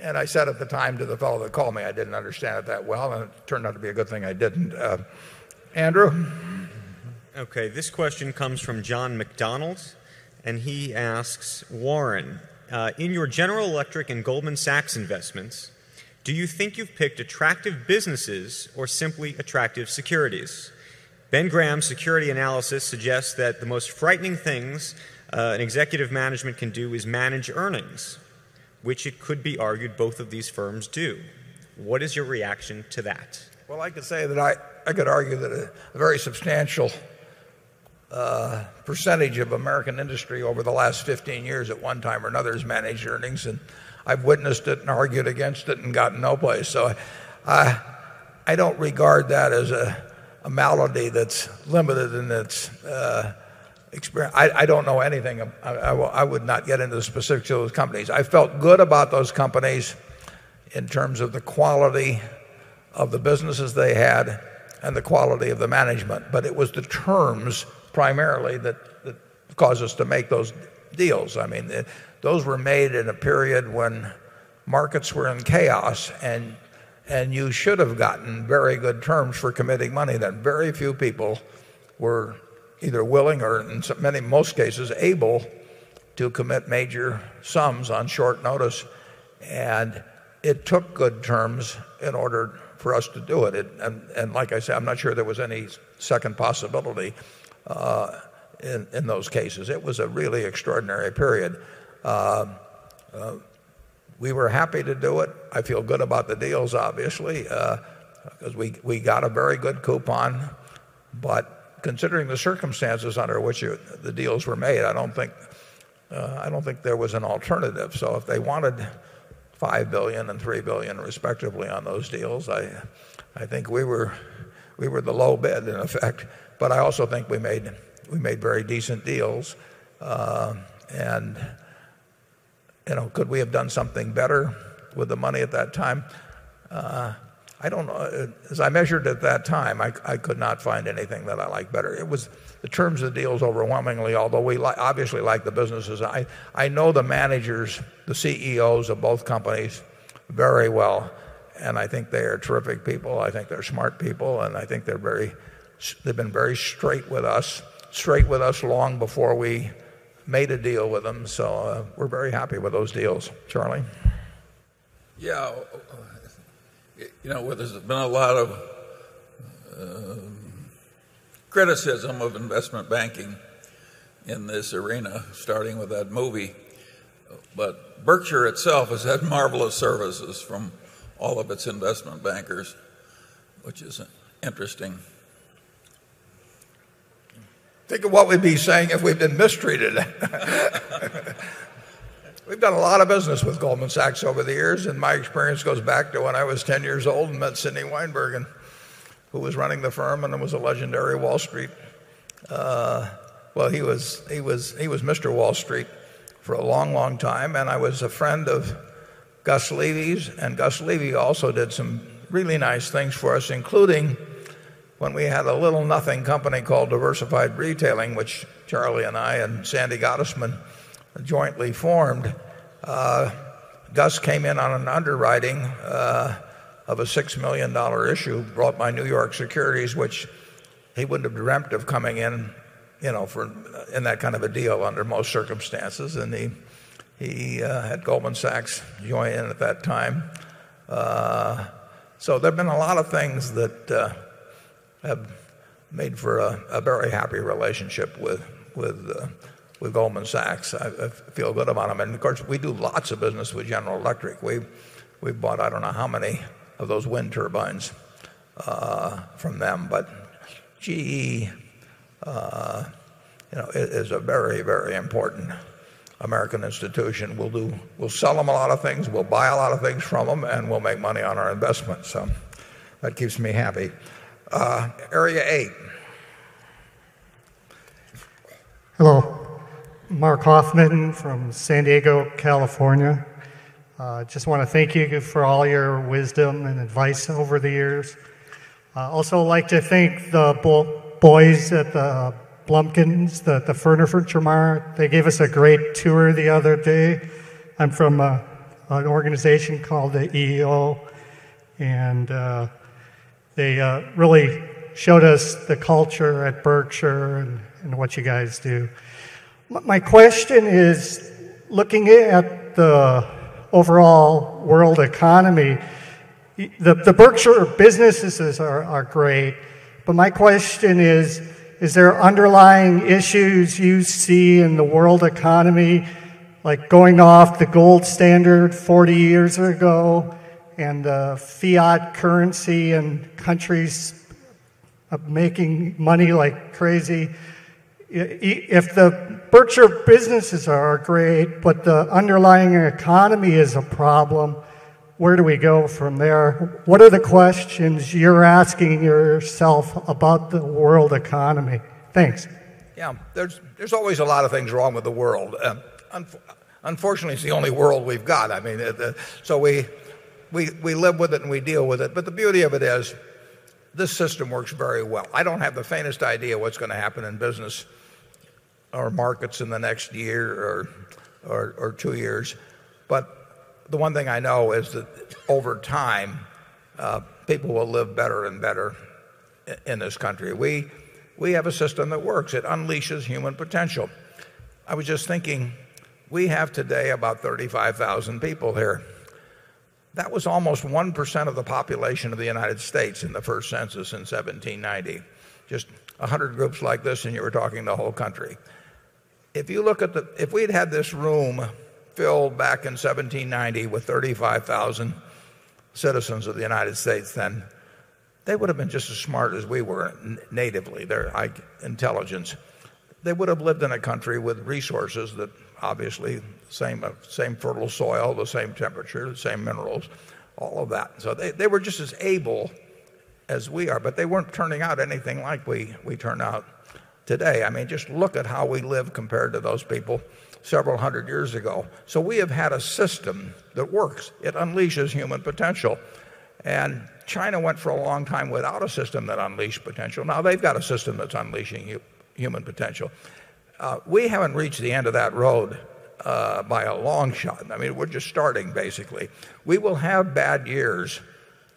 and I said at the time to the fellow that called me, I didn't understand it that well and it turned out to be a good thing I didn't. Andrew? Okay. This question comes from John McDonald and he asks, Warren, in your General Electric and Goldman Sachs Investments, do you think you've picked attractive businesses or simply attractive securities? Ben Graham's security analysis suggests that the most frightening things, an executive management can do is manage earnings, which it could be argued both of these firms do. What is your reaction to that? Well, I could say that I could argue that a very substantial percentage of American industry over the last 15 years at one time or another has managed earnings and I've witnessed it and argued against it and gotten no place. So I don't regard that as a malady that's limited in its experience. I don't know anything. I would not get into the specifics of those companies. I felt good about those companies in terms of the quality of the businesses they had and the quality of the management, but it was the terms primarily that caused us to make those deals. Those were made in a period when markets were in chaos and you should have gotten very good terms for committing money that very few people were either willing or in most cases able to commit major sums on short notice. And it took good terms in order for us to do it. And like I said, I'm not sure there was any second possibility in those cases. It was a really extraordinary period. We were happy to do it. I feel good about the deals obviously because we got a very good coupon. But considering the circumstances under which the deals were made, I don't think there was an alternative. So if they wanted $5,000,000,000 $3,000,000,000 respectively on those deals, I think we were the low bed in effect, but I also think we made very decent deals. And could we have done something better with the money at that time? I don't know. As I measured at that time, I could not find anything that liked better. It was the terms of deals overwhelmingly, although we obviously like the businesses. I know the managers, the CEOs of both companies very well and I think they are terrific people. I think they're smart people and I think they've been very straight with us, straight with us long before we made a deal with them. So we're very happy with those deals. Charlie? Yeah. Well, there's been a lot of criticism of investment banking in this arena, starting with that movie. But Berkshire itself has had marvelous services from all of its investment bankers, which is interesting. Think of what we'd be saying if we've been mistreated. We've done a lot of business with Goldman Sachs over the years and my experience goes back to when I was 10 years old and met Sydney Weinbergen, who was running the firm and was a legendary Wall Street. Well, he was Mr. Wall Street for a long, long time, and I was a friend of Gus Levy's. And Gus Levy also did some really nice things for us, including when we had a little nothing company called Diversified Retailing, which Charlie and I and Sandy Gottesman jointly formed, Gus came in on an underwriting of a $6,000,000 issue brought by New York securities, which he wouldn't have dreamt of coming in in that kind of a deal under most circumstances and he had Goldman Sachs join in at that time. So there've been a lot of things that have made for a very happy relationship with Goldman Sachs. I feel good about them. And of course, we do lots of business with General Electric. We've bought I don't know how many of those wind turbines from them, but GE is a very, very important American institution. We'll sell them a lot of things. We'll buy a lot of things from them and we'll make money on our investments. So that keeps me happy. Area 8. Hello, Mark Hoffman from San Diego, California. I just want to thank you for all your wisdom and advice over the years. I also like to thank the boys at the Blumkins, the Fernerfertramar, they gave us a great tour the other day. I'm from an organization called the EEO and they really showed us the culture at Berkshire and what you guys do. My question is, looking at the overall world economy, the Berkshire businesses are great, but my question is, is there underlying issues you see in the world economy like going off the gold standard 40 years ago and Fiat currency and countries of making money like crazy. If the Berkshire businesses are great, but the underlying economy is a problem, where do we go from there? What are the questions you're asking yourself about the world economy? Thanks. Yeah. There's always a lot of things wrong with the world. Unfortunately, it's the only world we've got. So we live with it and we deal with it. But the beauty of it is this system works very well. I don't have the faintest idea what's going to happen in business or markets in the next year or 2 years. But the one thing I know is that over time, people will live better and better in this country. We have a system that works. It unleashes human potential. I was just thinking, we have today about 35,000 people here. That was almost 1% of the population of the United States in the 1st census in 17/90, just a 100 groups like this and you were talking the whole country. If you look at the if we'd had this room filled back in 17/90 with 35,000 citizens of the United States, then they would have been just as smart as we were natively. They're like intelligence. They would have lived in a country with resources that obviously same fertile soil, the same temperature, the same minerals, all of that. So they were just as able as we are, but they weren't turning out anything like we turn out today. I mean, just look at how we live compared to those people several 100 years ago. So we have had a system that works. It unleashes human potential. And China went for a long time without a system that unleashed potential. Now they've got a system that's unleashing human potential. We haven't reached the end of that road by a long shot. I mean, we're just starting basically. We will have bad years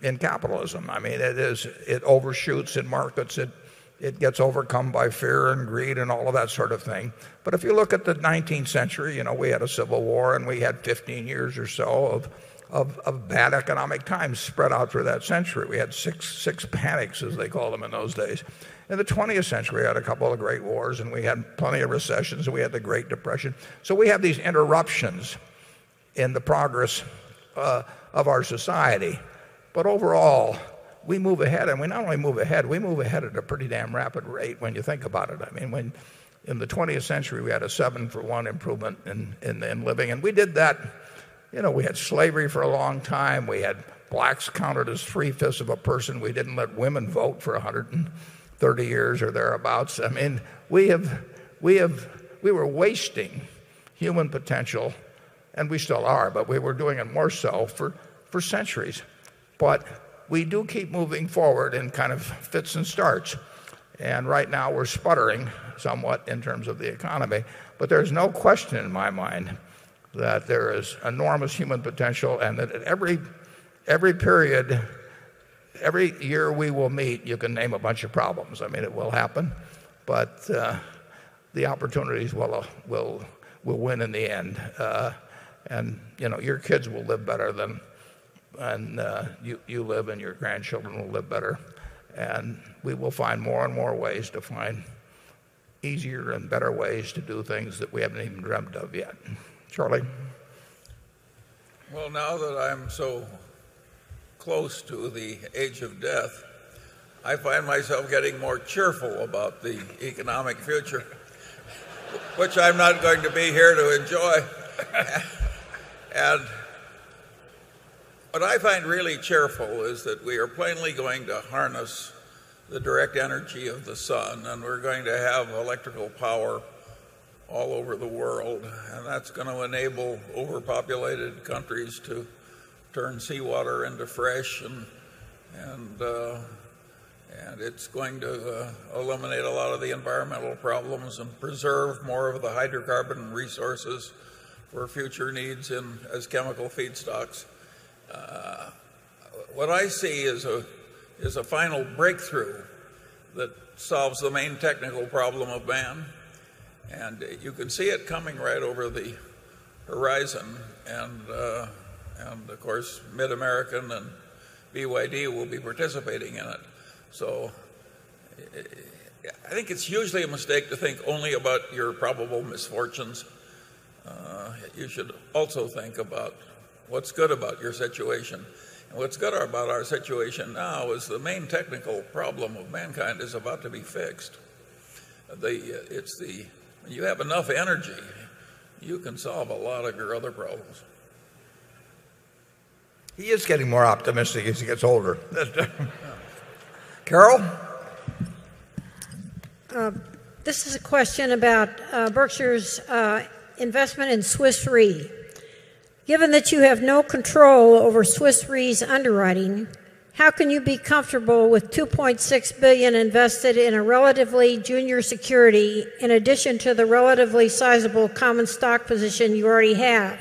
in capitalism. I mean it overshoots in markets. It gets overcome by fear and greed and all of that sort of thing. But if you look at the 19th century, we had a civil war and we had 15 years or so of bad economic times spread out through that century. We had 6 panics as they called them in those days. In the 20th century we had a couple of great wars and we had plenty of recessions and we had the Great Depression. So, we have these interruptions in the progress of our society, but overall we move ahead and we not only move ahead, we move ahead at a pretty damn rapid rate when you think about it. I mean, when in the 20th century, we had a 7 for 1 improvement in in living and we did that, you know, we had slavery for a long time. We had blacks counted as free 5ths of a person. We didn't let women vote for 130 years or thereabouts. I mean, we were wasting human potential and we still are, but we were doing it more so for centuries. But we do keep moving forward in kind of fits and starts. And right now, we're sputtering somewhat in terms of the economy, but there's no question in my mind that there is enormous human potential and that at every period, every year we will meet, you can name a bunch of problems. I mean, it will happen, but the opportunities will win in the end. And your kids will live better than and, you live and your grandchildren will live better. And we will find more and more ways to find easier and better ways to do things that we haven't even dreamt of yet. Charlie? Well, now that I'm so close to the age of death, I find myself getting more cheerful about the economic future, which I'm not going to be here to enjoy. And what I find really cheerful is that we are plainly going to harness the direct energy of the sun and we're going to have electrical power all over the world and that's going to enable overpopulated countries to turn seawater into fresh and and it's going to eliminate a lot of the environmental problems and preserve more of the hydrocarbon resources for future needs as chemical feedstocks. What I see is a final breakthrough that solves the main technical problem of ban. And you can see it coming right over the horizon and, of course, Mid American and BYD will be participating in it. So I think it's usually a mistake to think only about your probable misfortunes. You should also think about what's good about your situation. What's good about our situation now is the main technical problem of mankind is about to be fixed. It's the you have enough energy, you can solve a lot of your other problems. He is getting more optimistic as he gets older. Carol? This is a question about Berkshire's investment in Swiss Re. Given that you have no control over Swiss Re's underwriting, how can you be comfortable with $2,600,000,000 invested in a relatively junior security in addition to the relatively sizable stock position you already have?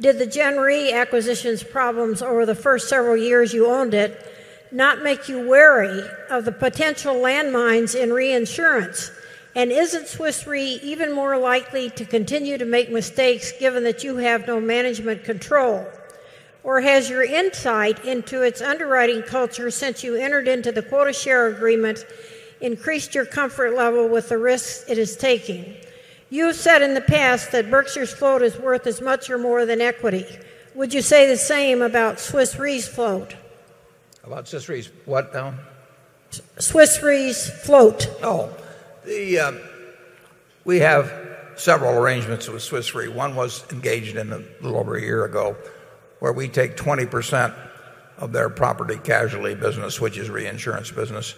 Did the Gen Re acquisition's problems over the 1st several years you owned it not make you wary of the potential land mines in reinsurance? And isn't Swiss Re even more likely to continue to make mistakes given that you have no management control? Or has your insight into its underwriting culture since you entered into the quota share agreement increased your comfort level with the risks it is taking. You said in the past that Berkshire's float is worth as much or more than equity. Would you say the same about Swiss Re's float? About Swiss Re's what, Alan? Swiss Re's float. Oh, We have several arrangements with Swiss Re. 1 was engaged in a little over a year ago where we take 20% of their property casualty business, which is reinsurance business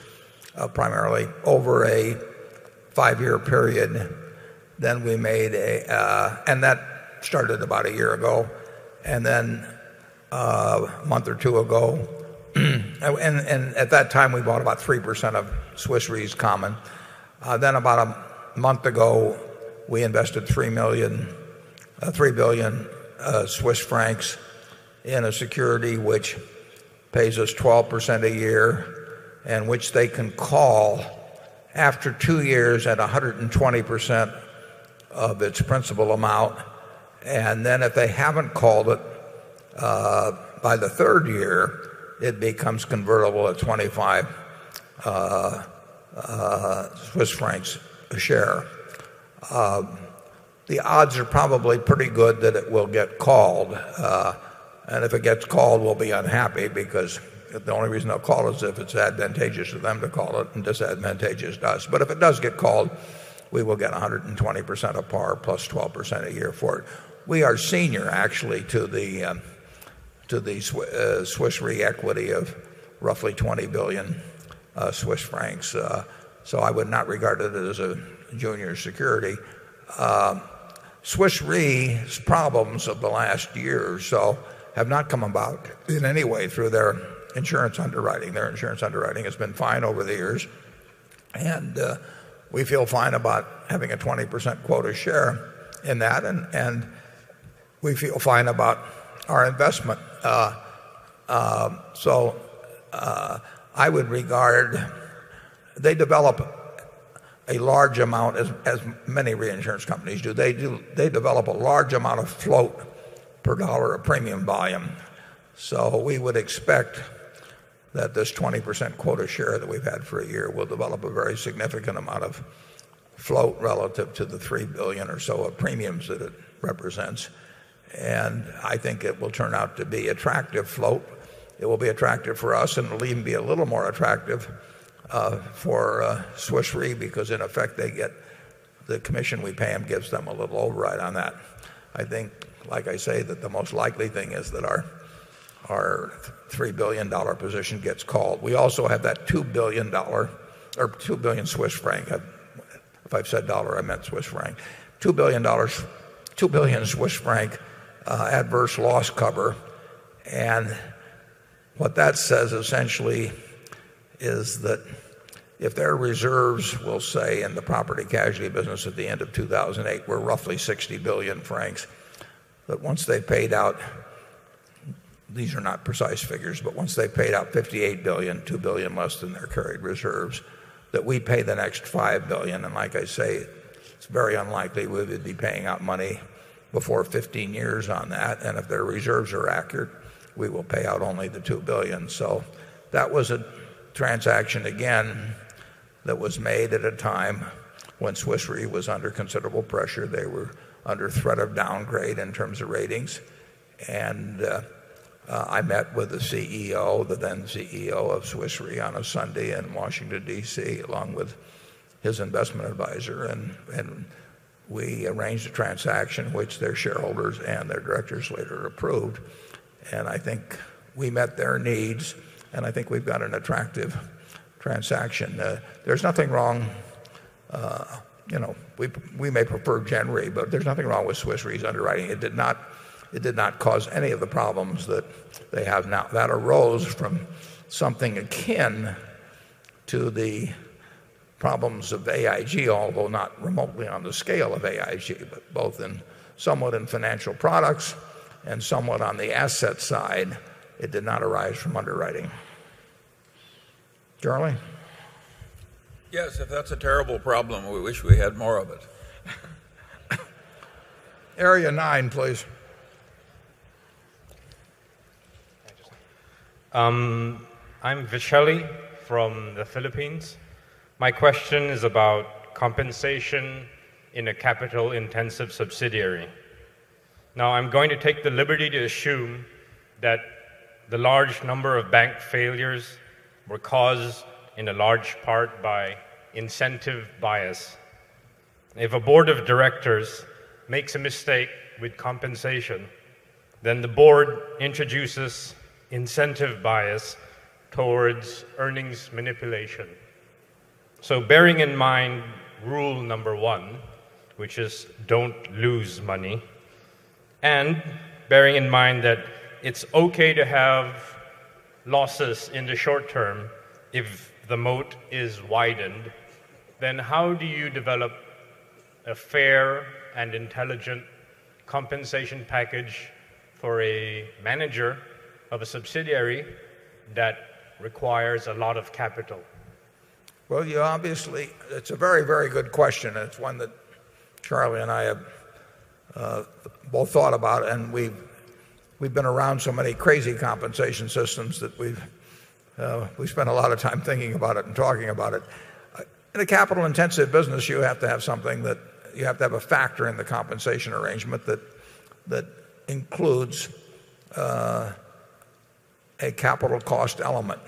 primarily over a 5 year period. Then we made a and that started about a year ago and then a month or 2 ago and at that time, we bought about 3% of Swiss Re's common. Then about a month ago, we invested CHF3 1,000,000,000 in a security which pays us 12% a year and which they can call after 2 years at 120% of its principal amount. And then if they haven't called it by the 3rd year, it becomes convertible at 25 Swiss francs a share. The odds are probably pretty good that it will get called. And if it gets called, we'll be unhappy because the only reason they'll call us if it's advantageous for them to call it and just advantageous to us. But if it does get called, we will get 120% of par plus 12% a year for it. We are senior actually to the Swiss re equity of roughly 20,000,000,000 Swiss francs. So I would not regard it as a junior security. Swiss Re's problems of the last year or so have not come about in any way through their insurance underwriting. Their insurance underwriting has been fine over the years and we feel fine about having a 20% quota share in that and we feel fine about our investment. So I would regard they develop a large amount as many reinsurance companies do. They develop a large amount of float per dollar of premium volume. So we would expect that this 20% quota share that we've had for a year will develop a very significant amount of float relative to the $3,000,000,000 or so of premiums that it represents. And I think it will turn out to be attractive float. It will be attractive for us and it'll even be a little more attractive for Swiss Re because in effect they get the commission we pay them gives them a little override on that. I think like I say that the most likely thing is that our $3,000,000,000 position gets called. We also have that $2,000,000,000 or CHF2 1,000,000,000. If I've said dollar, I meant Swiss franc. CHF2 1,000,000,000 adverse loss cover. And what that says essentially is that if their reserves will say in the property casualty business at the end of 2,000 and were roughly CHF60 1,000,000,000. But once they paid out, these are not precise figures, but once they paid out 58,000,000,000, 2,000,000,000 less than their reserves that we pay the next 5,000,000,000 and like I say it's very unlikely we would be paying out money before 15 years on that and if their reserves are accurate, we will pay out only the $2,000,000,000 So that was a transaction again that was made at a time when Swiss Re was under considerable pressure. They were under threat of downgrade in terms of ratings. And I met with the CEO, the then CEO of Swiss Re on a Sunday in Washington DC along with his investment advisor. And we arranged a transaction which their shareholders and their directors later approved. And I think we met their needs and I think we've got an attractive transaction. There's nothing wrong, we may prefer January, but there's nothing wrong with Swiss Re's underwriting. It did not cause any of the problems that they have now. That arose from something akin to the problems of AIG, although not remotely on the scale of AIG, but both in somewhat in financial products and somewhat on the asset side. It did not arise from underwriting. Charlie? Yes. If that's a terrible problem, we wish we had more of it. Area 9, please. I'm Vishali from the Philippines. My question is about compensation in a capital intensive subsidiary. Now I'm going to take the liberty to assume that the large number of bank failures were caused in a large part by incentive bias. If a Board of Directors makes a mistake with compensation, then the Board introduces incentive bias towards earnings manipulation. So bearing in mind rule number 1, which is don't lose money, and bearing in mind that it's okay to have losses in the short term if the moat is widened, then how do you develop a fair and intelligent compensation package for a manager of a subsidiary that requires a lot of capital? Well, you obviously, it's a very, very good question. It's one that Charlie and I have both thought about and we've been around so many crazy compensation systems that we spent a lot of time thinking about it and talking about it. In a capital intensive business, you have to have something that you have to have a factor in the compensation arrangement that includes a capital cost element.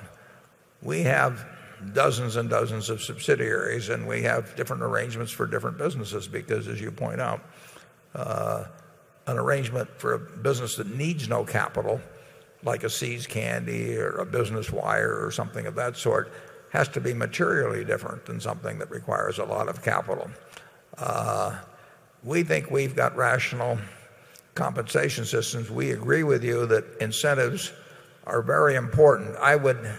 We have dozens and dozens of subsidiaries and we have different arrangements for different businesses because as you point out, an arrangement for a business that needs no capital like a See's Candy or a business wire or something of that sort has to be materially different than something that requires a lot of capital. We think we've got rational compensation systems. We agree with you that incentives are very important. I would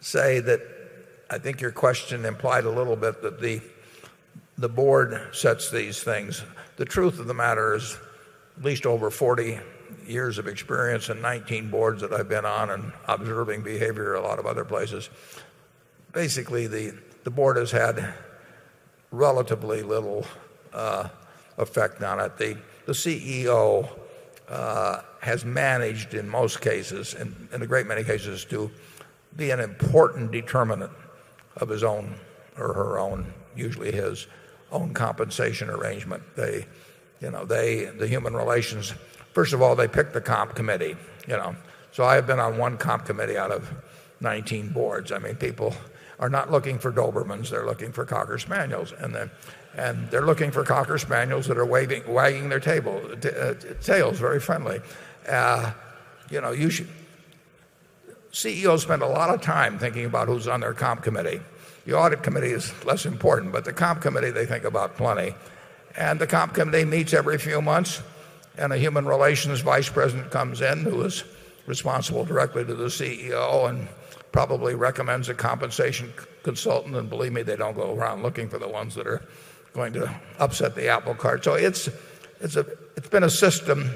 say that I think your question implied a little bit that the board sets these things. The truth of the matter is at least over 40 years of experience and 19 boards that I've been on and observing behavior a lot of other places. Basically, the board has had relatively little effect on it. The CEO has managed in most cases and in a great many cases to be an important determinant of his own or her own usually his own compensation arrangement. They the human relations, first of all, they pick the comp committee, you know. So I have been on 1 comp committee out of 19 boards. I mean people are not looking for Dobermans, they're looking for Cocker Spaniels and then and they're looking for Cocker Spaniels that are waving, wagging their table. It's tails very friendly. CEOs spend a lot of time thinking about who's on their comp committee. The audit committee is less important but the comp committee, they think about plenty. And the comp committee meets every few months and the human relations vice president comes in who is responsible directly to the CEO and probably recommends a compensation consultant, and believe me, they don't go around looking for the ones that are going to upset the apple cart. So it's been a system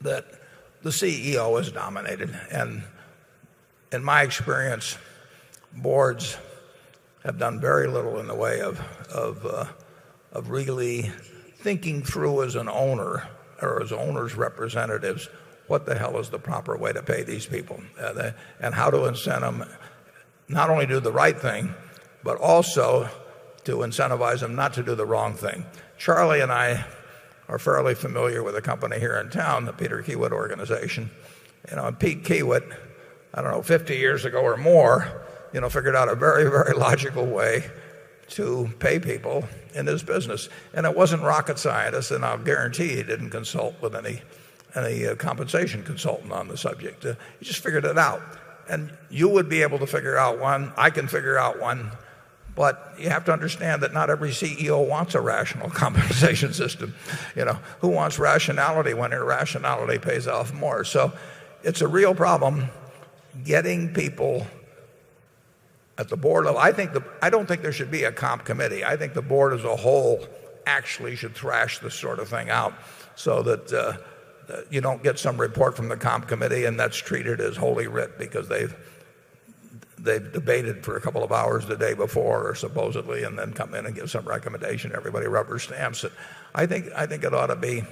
that the CEO has dominated. And in my experience, boards have done very little in the way of really thinking through as an owner or as owners' representatives what the hell is the proper way to pay these people and how to incent them not only to do the right thing but also to incentivize them not to do the wrong thing. Charlie and I are fairly familiar with a company here in town, the Peter Kiewit Organization. And Pete Kiewit, I don't know, 50 years ago or more, figured out a very, very logical way to pay people in this business. And it wasn't rocket scientists and I'll guarantee he didn't consult with any compensation consultant on the subject. He just figured it out. And you would be able to figure out 1. I can figure out 1. But you have to understand that not every CEO wants a rational compensation system. Who wants rationality when irrationality pays off more? So it's a real problem getting people at the board level. I don't think there should be a comp committee. I think the board as a whole actually should thrash this sort of thing out so that you don't get some report from the comp committee and that's treated as holy writ because they've debated for a couple of hours the day before or supposedly and then come in and give some recommendation, everybody rubber stamps. I think it ought to be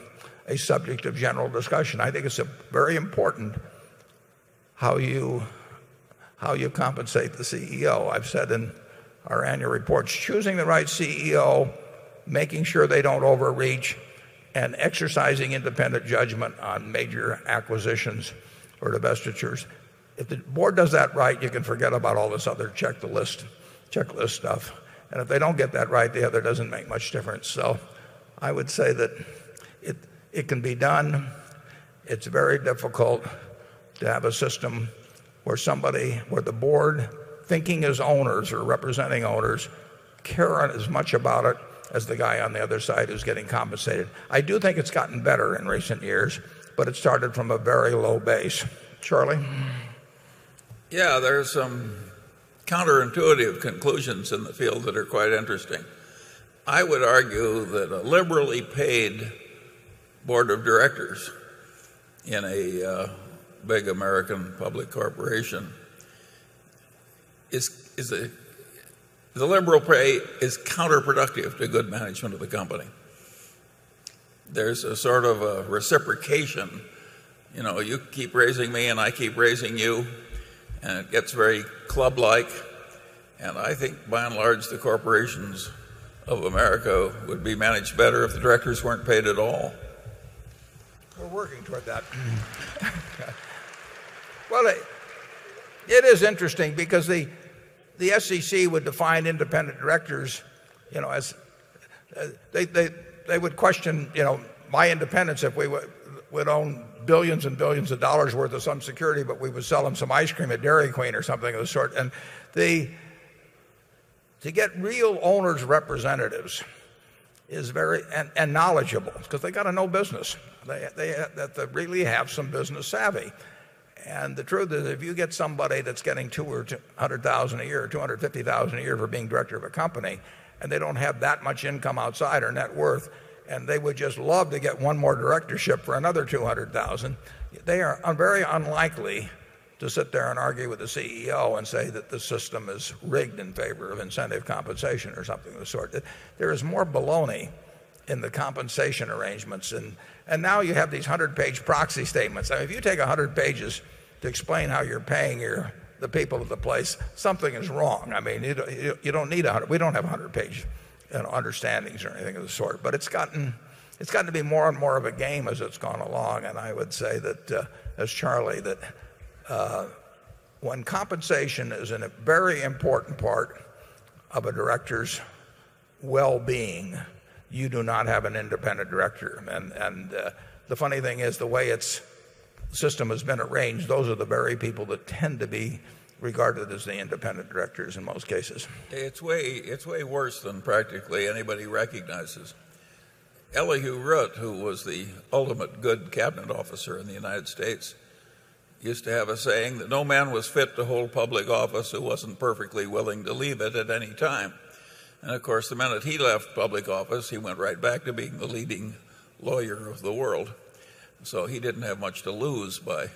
a subject of general discussion. I think it's very important how you compensate the CEO. I've said in our annual reports, choosing the right CEO, making sure they don't overreach and exercising independent judgment on major acquisitions or divestitures. If the Board does that right, you can forget about all this other checklist stuff. And if they don't get that right, the other doesn't make much difference. So I would say that it can be done. It's very difficult to have a system where somebody with the board thinking as owners or representing owners care as much about it as the guy on the other side who's getting compensated? I do think it's gotten better in recent years, but it started from a very low base. Charlie? Yeah. There are some counterintuitive conclusions in the field that are quite interesting. I would argue that a liberally paid Board of Directors in a big American public corporation is the liberal prey is counterproductive to good management of the company. There's a sort of a reciprocation. You keep raising me and I keep raising you and it gets very club like. And I think, by and large, the corporations of America would be managed better if the directors weren't paid at all. We're working toward that. Well, it is interesting because the SEC would define independent directors as they would question my independence if we would own 1,000,000,000 and 1,000,000,000 of dollars' worth of some security but we would sell them some ice cream at Dairy Queen or something of the sort. And to get real owners' representatives is very and knowledgeable because they've got to know business. They really have some business savvy. And the truth is if you get somebody that's getting 200,000 or 200,000 a year, 250,000 a year for being director of a company and they don't have that much income outside our net worth and they would just love to get one more directorship for another $200,000 they are very unlikely to sit there and argue with the CEO and say that the system is rigged in favor of incentive compensation or something of the sort. There is more baloney in the compensation arrangements, and now you have these 100 page proxy statements. If you take 100 pages to explain how you're paying the people of the place, something is wrong. We don't have a 100 page understandings or anything of the sort, but it's gotten gotten to be more and more of a game as it's gone along. And I would say that as Charlie that when compensation is a very important part of a director's well-being, you do not have an independent director. And the funny thing is the way its system has been arranged, those are the very people that tend to be regarded as the independent directors in most cases. It's way worse than practically anybody recognizes. Elihu Root, who was the ultimate good cabinet officer in the United States, used to have a saying that no man was fit to hold public office who wasn't perfectly willing to leave it at any time. And of course, the minute he left public office, he went right back to being the leading lawyer of the world. So he didn't have much to lose by.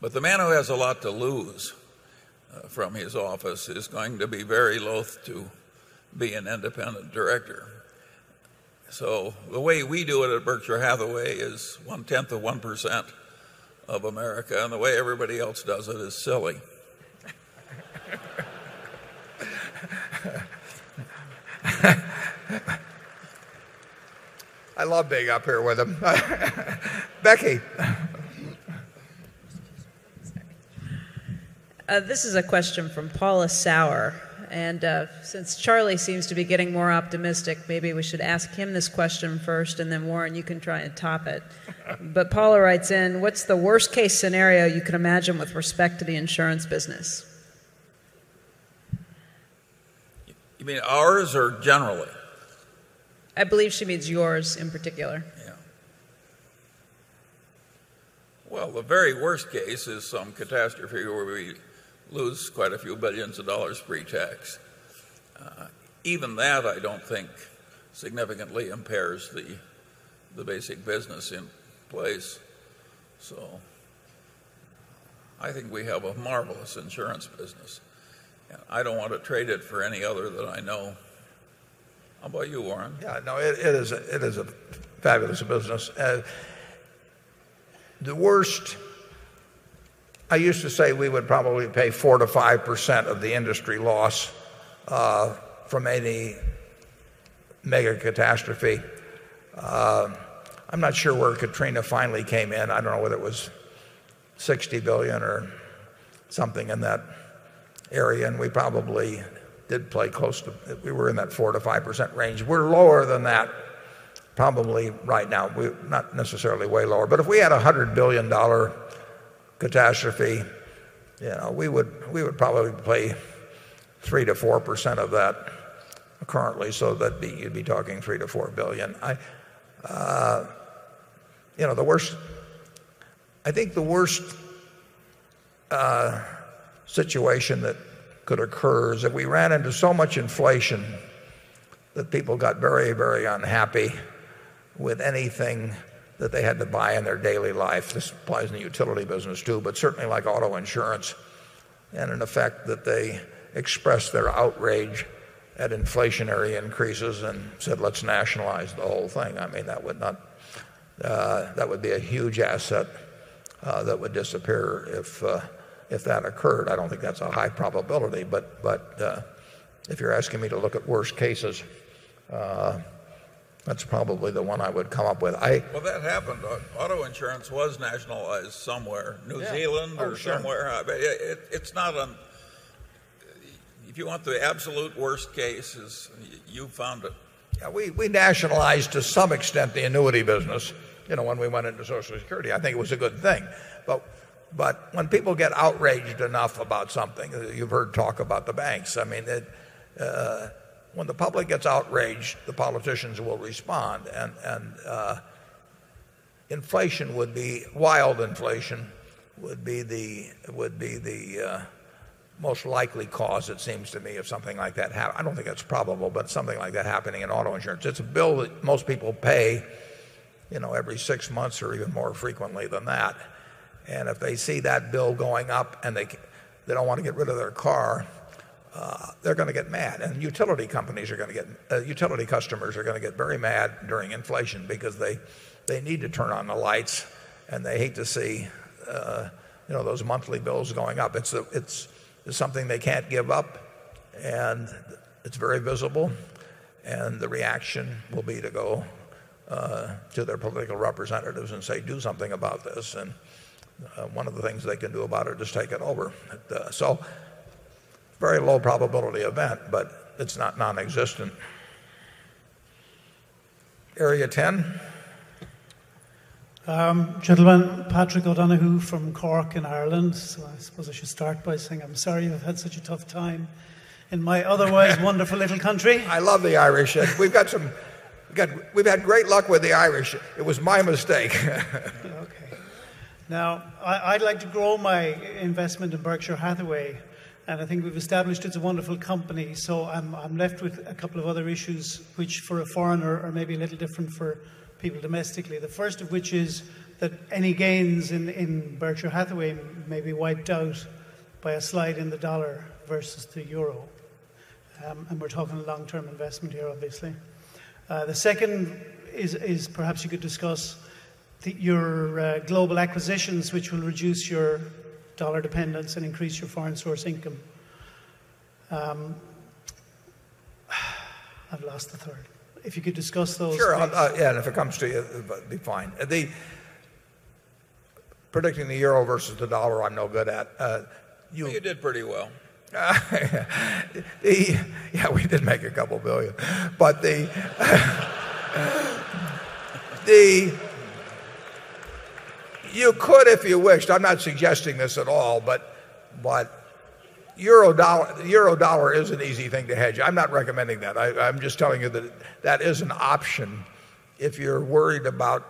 But the man who has a lot to lose from his office is going to be very loath to be an independent director. So the way we do it at Berkshire Hathaway is 1 10th of 1% of America and the way everybody else does it is silly. I love being up here with them. Becky. This is a question from Paula Sauer. And since Charlie seems to be getting more optimistic, maybe we should ask him this question first, and then Warren, you can try and top it. But Paula writes in, what's the worst case scenario you can imagine with respect to the insurance business? You mean ours or generally? I believe she means yours in particular. Yes. Well, the very worst case is some catastrophe where we lose quite a few 1,000,000,000 of dollars pretax. Even that, I don't think, significantly impairs the basic business in place. So I think we have a marvelous insurance business. I don't want to trade it for any other that I know. How about you, Warren? Yeah. No, it is a fabulous business. The worst I used to say we would probably pay 4% to 5% of the industry loss from any mega catastrophe. I'm not sure where Katrina finally came in. I don't know whether it was 60,000,000,000 or something in that area and we probably did play close to we were in that 4% to 5% range. We're lower than that probably right now. Not necessarily way lower, but if we had $100,000,000,000 catastrophe, we would probably play 3% to 4% of that currently so that you'd be talking 3 to 4,000,000,000. I think the worst situation that could occur is that we ran into so much inflation that people got very, very unhappy with anything that they had to buy in their daily life. This applies in the utility business too, but certainly like auto insurance and in effect that they expressed their outrage at inflationary increases and said let's nationalize the whole thing. I mean, that would be a huge asset that would disappear if that occurred. I don't think that's a high probability but if you're asking me to look at worst cases, that's probably the one I would come up with. Well, that happened. Auto insurance was nationalized somewhere. New Zealand or somewhere. If you want the absolute worst case, you found We nationalized to some extent the annuity business when we went into Social Security. I think it was a good thing. But when people get outraged enough about something, you've heard talk about the banks. I mean, when the public gets outraged, the politicians will respond. And wild inflation would be the most likely cause it seems to me of something like that. I don't think that's probable but something like that happening in auto insurance. It's a bill that most people pay every 6 months or even more frequently than that. And if they see that bill going up and they don't want to get rid of their car, they're going to get mad and utility customers are going to get very mad during inflation because they need to turn on the lights and they hate to see, those monthly bills going up. It's something they can't give up and it's very visible and the reaction will be to go to their political representatives and say do something about this. And one of the things they can do about it is just take it over. So very low probability event, but it's not non existent. Area 10? Gentlemen, Patrick O'Donohue from Cork in Ireland. I should start by saying I'm sorry you've had such a tough time in my otherwise wonderful little country. I love the Irish. We've got some good we've had great luck with the Irish. It was my mistake. Okay. Now I'd like to grow my investment in Berkshire Hathaway And I think we've established it's a wonderful company. So I'm left with a couple of other issues, which for a foreigner or maybe a little different for people domestically. The first of which is that any gains in Berkshire Hathaway may be wiped out by a slide in the dollar versus the euro. And we're talking long term investment here obviously. The second is perhaps you could discuss your global acquisitions which will reduce your dollar dependence and increase your foreign source income. I've lost a third. If you could discuss those. Sure. Yes. And if it comes to you, that'd be fine. Predicting the euro versus the dollar, I'm no good at. You did pretty well. You could if you wish. I'm not suggesting this at all but Eurodollar is an easy thing to hedge. I'm not recommending that. I'm just telling you that that is an option if you're worried about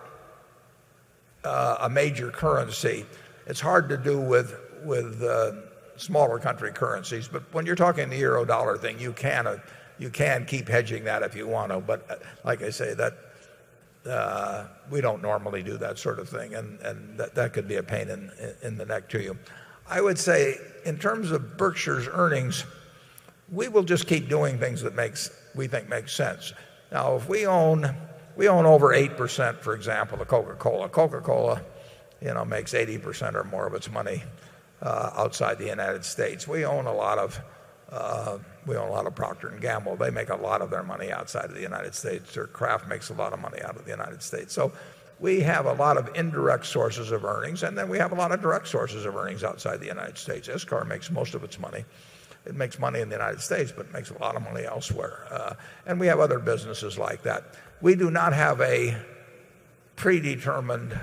a major currency. It's hard to do with smaller country currencies but when you're talking the euro dollar thing, you can keep hedging that if you want to. But like I say, we don't normally do that sort of thing and that could be a pain in the neck to you. I would say in terms of Berkshire's earnings, we will just keep doing things that we think makes sense. Now, if we own over 8%, for example, the Coca Cola. Coca Cola makes 80% or more of its money outside the United States. We own a lot of Procter and Gamble. They make a lot of their money outside of the United States. Their craft makes a lot of money out of the United States. So we have a lot of indirect sources of earnings and then we have a lot of direct sources of earnings outside the United States. SCAR makes most of its money. It makes money in the United States but makes a lot of money elsewhere. And we have other businesses like that. We do not have a predetermined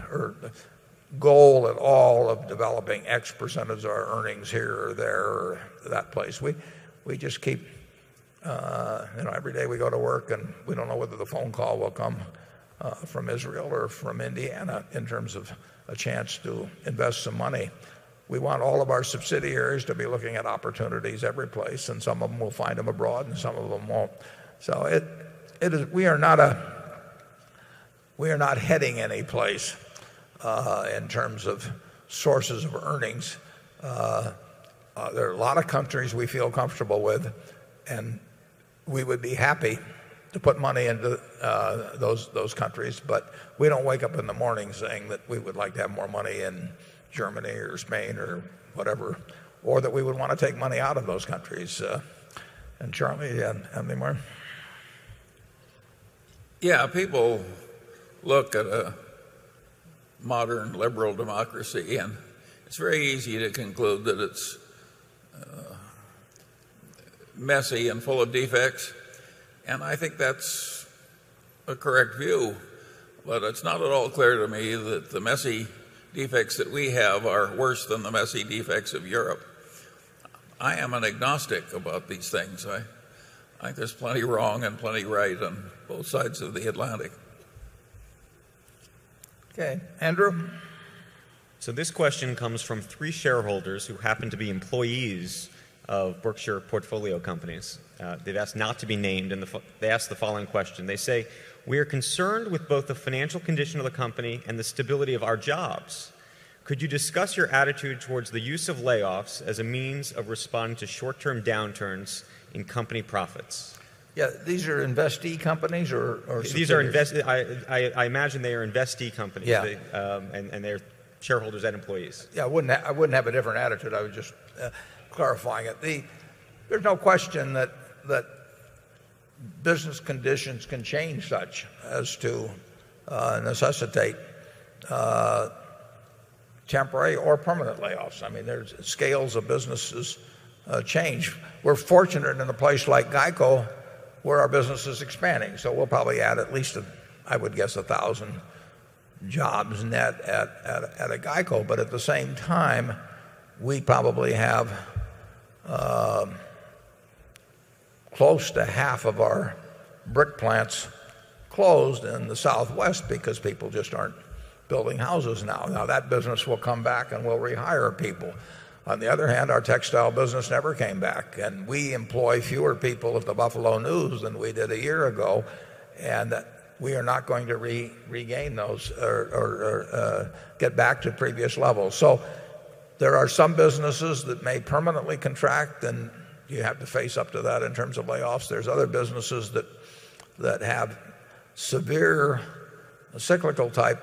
goal at all of developing X percentage of our earnings here or there or that place. We just keep every day we go to work and we don't know whether the phone call will come from Israel or from Indiana in terms of a chance to invest some money. We want all of our subsidiaries to be looking at opportunities every place and some of them will find them abroad and some of them won't. So we are not heading any place in terms of sources of earnings. There are a lot of countries we feel comfortable with and we would be happy to put money into those countries. But we don't wake up in the morning saying that we would like to have more money in Germany or Spain or whatever or that we would want to take money out of those countries. And Charlie and me more. Yeah. People look at a modern liberal democracy and it's very easy to conclude that it's messy and full of defects. And I think that's a correct view but it's not at all clear to me that the messy defects that we have are worse than the messy defects of Europe. I am an agnostic about these things. There's plenty wrong and plenty right on both sides of the Atlantic. Okay. Andrew? So this question comes from 3 shareholders who happen to be employees of Berkshire Portfolio Companies. They've asked not to be named in the they asked the following question. They say, we are concerned with both the financial condition of the company and the stability of our jobs. Could you discuss your attitude towards the use of layoffs as a means of responding to short term downturns in company profits? Yes. These are investee companies or These are investee companies. Yes. And they're shareholders and employees. Yes. I wouldn't have a different attitude. I was just clarifying it. There's no question that business conditions can change such as to necessitate temporary or permanent layoffs. I mean, there's scales of businesses change. We're fortunate in a place like GEICO where our business is expanding. So we'll probably add at least, I would guess, 1,000 jobs net at a GEICO. But at the same time, we probably have close to half of our brick plants closed in the southwest because people just aren't building houses now. Now that business will come back and we'll rehire people. On the other hand, our textile business never came back and we employ fewer people at the Buffalo News than we did a year ago and we are not going to regain those or get back to previous levels. So there are some businesses that may permanently contract and you have to face up to that in terms of layoffs. There's other businesses that have severe cyclical type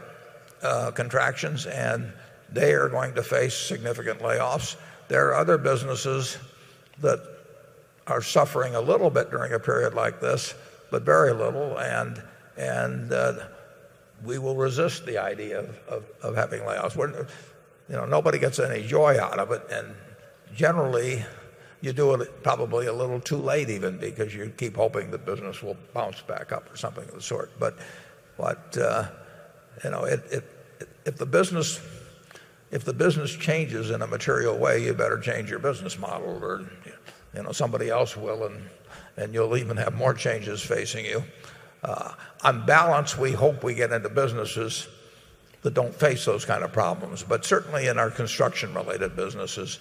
contractions and they are going to face significant layoffs. There are other businesses that are suffering a little bit during a period like this, but very little. And we will resist the idea of having layoffs. Nobody gets any joy out of it and generally you do it probably a little too late even because you keep hoping the business will bounce back up or something of the sort. But if the business changes in a material way, you better change your business model or somebody else will and you'll even have more changes facing you. On balance, we hope we get into businesses that don't face those kind of problems. But certainly in our construction related businesses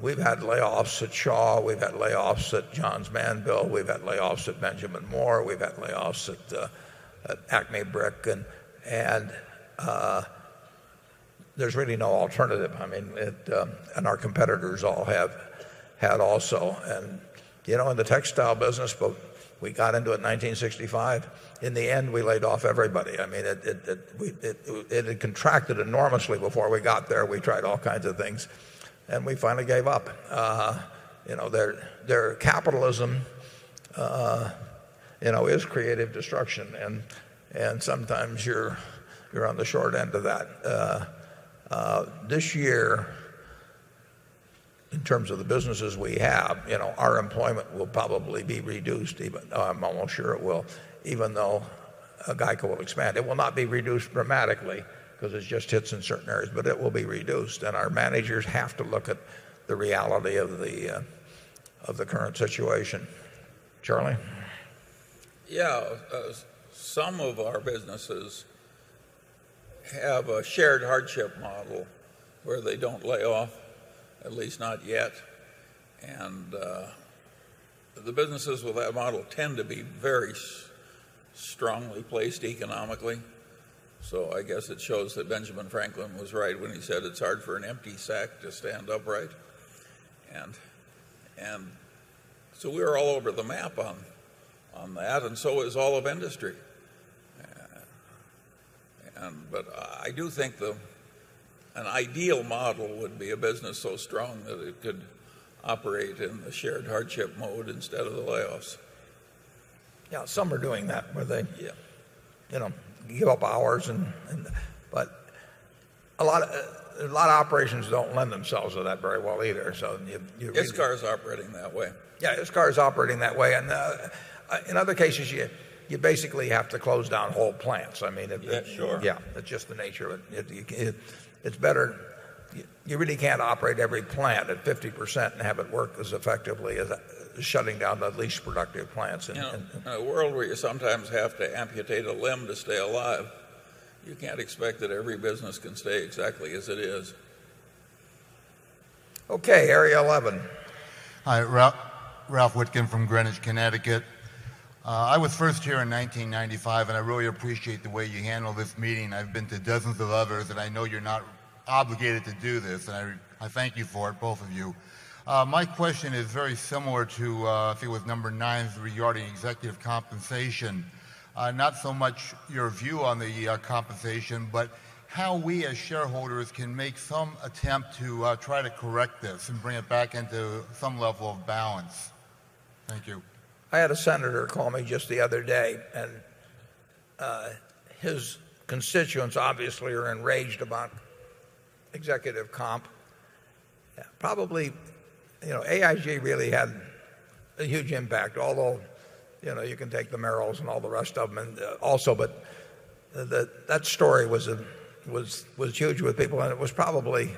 we've had layoffs at Shaw. We've had layoffs at Johns Manville. We've had layoffs at Benjamin Moore. We've had layoffs at Acmebrick. And there's really no alternative. I mean, and our competitors all have had also. And in the textile business, we got into it in 1965. In the end, we laid off everybody. I mean, it contracted enormously before we got there. We tried all kinds of things and we finally gave up. Their capitalism is creative destruction and sometimes you're on the short end of that. This year, in terms of the businesses we have, our employment will probably be reduced even though GEICO will expand. It will not be reduced dramatically because it just hits in certain areas, but it will be reduced and our managers have to look at the reality of the current situation. Charlie? Yes. Some of our businesses have a shared hardship model where they don't lay off, at least not yet. And the businesses with that model tend to be very strongly placed economically. So I guess it shows that Benjamin Franklin was right when he said it's hard for an empty sack to stand upright. And so we are all over the map on that and so is all of industry. But I do think an ideal model would be a business so strong that it could operate in a shared hardship mode instead of the layoffs. Yes. Some are doing that where they give up hours and but of operations don't lend themselves to that very well either. So you Discar is operating that way. Yes, discar is operating that way. And in other cases, you basically have to close down whole plants. I mean, yes, that's just the nature of it. It's better. You really can't operate every plant at 50% and have it work as effectively as shutting down the least productive plants. In a world where you sometimes have to amputate a limb to stay alive, you can't expect that every business can stay exactly as it is. Okay, Area 11. Hi, Ralph Whitkin from Greenwich, Connecticut. I was first here in 1995, and I really appreciate the way handled this meeting. I've been to dozens of others, and I know you're not obligated to do this. And I thank you for it, both of you. My question is very similar to, if you was number 9 regarding executive compensation. Not so much your view on the compensation, but how we as shareholders can make some attempt to try to correct this and bring it back into some level of balance? Thank you. I had a senator call me just the other day and his constituents obviously are enraged about executive comp. Probably AIG really had a huge impact although you can take the Merrill's and all the rest of them also. But that story was huge with people and it was probably,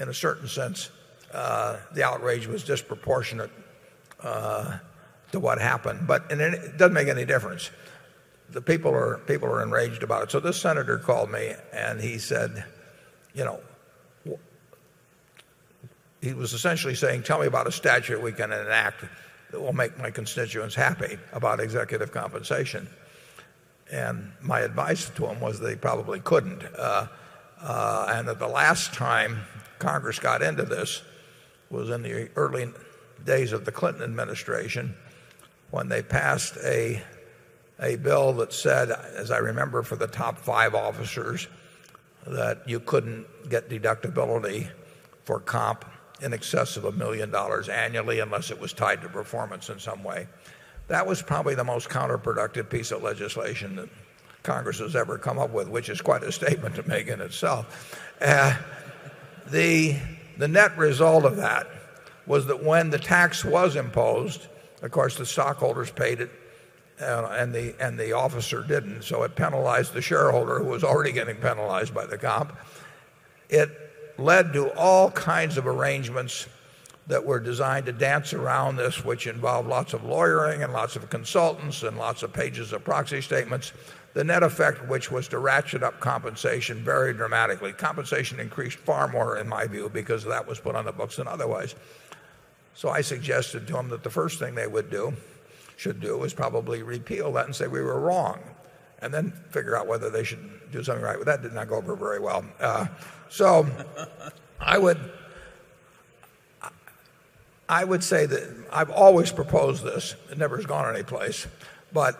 in a certain sense, the outrage was disproportionate to what happened. But it doesn't make any difference. The people are enraged about it. So this senator called me and he said, you know, he was essentially saying, Tell me about a statute we can enact that will make my constituents happy about executive compensation. And my advice to them was they probably couldn't. And that the last time Congress got into this was in the early days of the Clinton administration when they passed a bill that said, as I remember, for the top five officers that you couldn't get deductibility for comp in excess of $1,000,000 annually unless it was tied to performance in some way. That was probably the most counterproductive piece of legislation that Congress has ever come up with, which is quite a statement to make in itself. The net result of that was that when the tax was imposed, of course, the stockholders paid it and the officer didn't. So it penalized the shareholder who was already getting penalized by the COP. It led to all kinds of arrangements that were designed to dance around this, which involved lots of lawyering and lots of consultants and lots of pages of proxy statements. The net effect which was to ratchet up compensation very dramatically. Compensation increased far more in my view because that was put on the books and otherwise. So I suggested to them that the first thing they should do is probably repeal that and say we were wrong and then figure out whether they should do something right. Well, that did not go over very well. So I would say that I've always proposed this. It never has gone anyplace but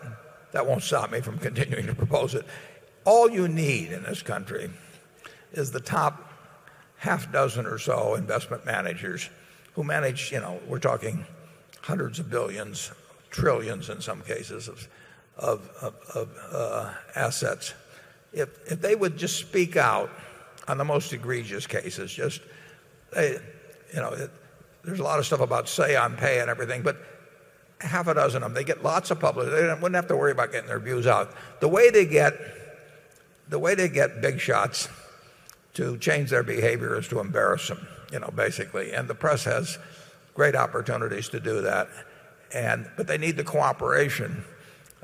that won't stop me from continuing to propose it. All you need in this country is the top half dozen or so investment managers who manage we're talking on the most egregious cases, there's a lot of stuff about say on pay and everything, but half a dozen of them. They get lots of public. They wouldn't have to worry about getting their views out. The way they get big shots to change their behavior is to embarrass them, you know, basically and the press has great opportunities to do that and but they need the cooperation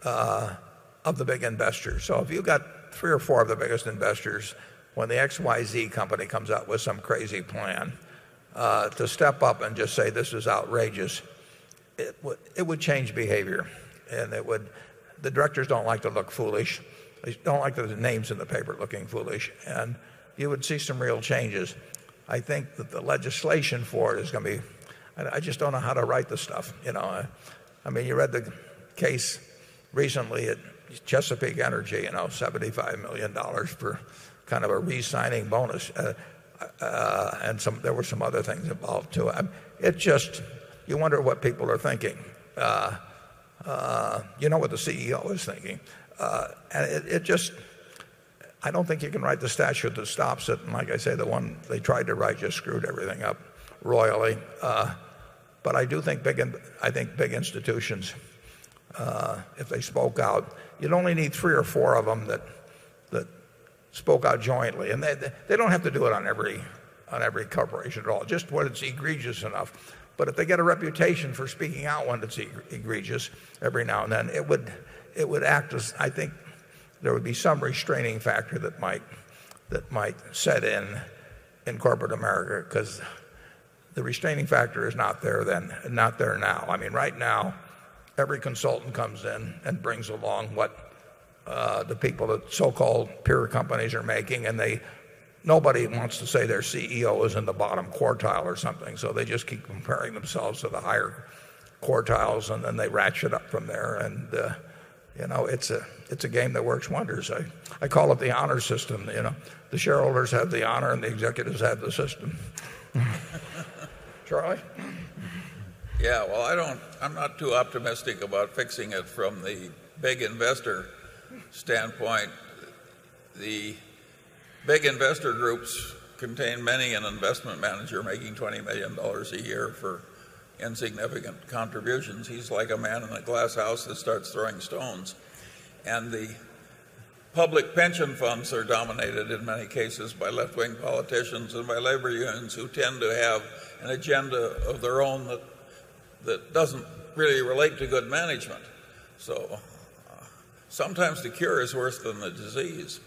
of the big investors. So if you've got 3 or 4 of the biggest investors, when the XYZ company comes out with some crazy plan to step up and just say, this is outrageous, it would change behavior and it would the directors don't like to look foolish. They don't like the names in the paper looking foolish. And you would see some real changes. I think that the legislation for it is going to be I just don't know how to write the stuff. I mean, you read the case recently at Chesapeake Energy, dollars 75,000,000 for kind of a resigning bonus. And there were some other things involved too. It just you wonder what people are thinking. You know what the CEO is thinking. I don't think you can write the statute that stops it. And like I say, the one they tried to write just screwed everything up royally. But I do think big institutions, if they spoke out, you'd only need 3 or 4 of them that spoke out jointly and they don't have to do it on every corporation at all. Just when it's egregious enough. But if they get a reputation for speaking out when it's egregious every now and then, it would act as I think there would be some restraining factor that might set in in Corporate America because the restraining factor is not there then and not there now. I mean, right now, every consultant comes in and brings along what the people that so called peer companies are making and nobody wants to say their CEO is in the bottom quartile or something. So they just keep comparing themselves to the higher quartiles and then they ratchet up from there and it's a game that works wonders. I call it the honor system. The shareholders have the honor and the executives have the system. Charlie? Yes. Well, I'm not too optimistic about fixing it from the big investor standpoint. The big investor groups contain many an investment manager making $20,000,000 a year for insignificant contributions. He's like a man in a glasshouse that starts throwing stones. And the public pension funds are dominated in many cases by left wing politicians and by labor unions who tend to have an agenda of their own that doesn't really relate to good management. So sometimes the cure is worse than the disease.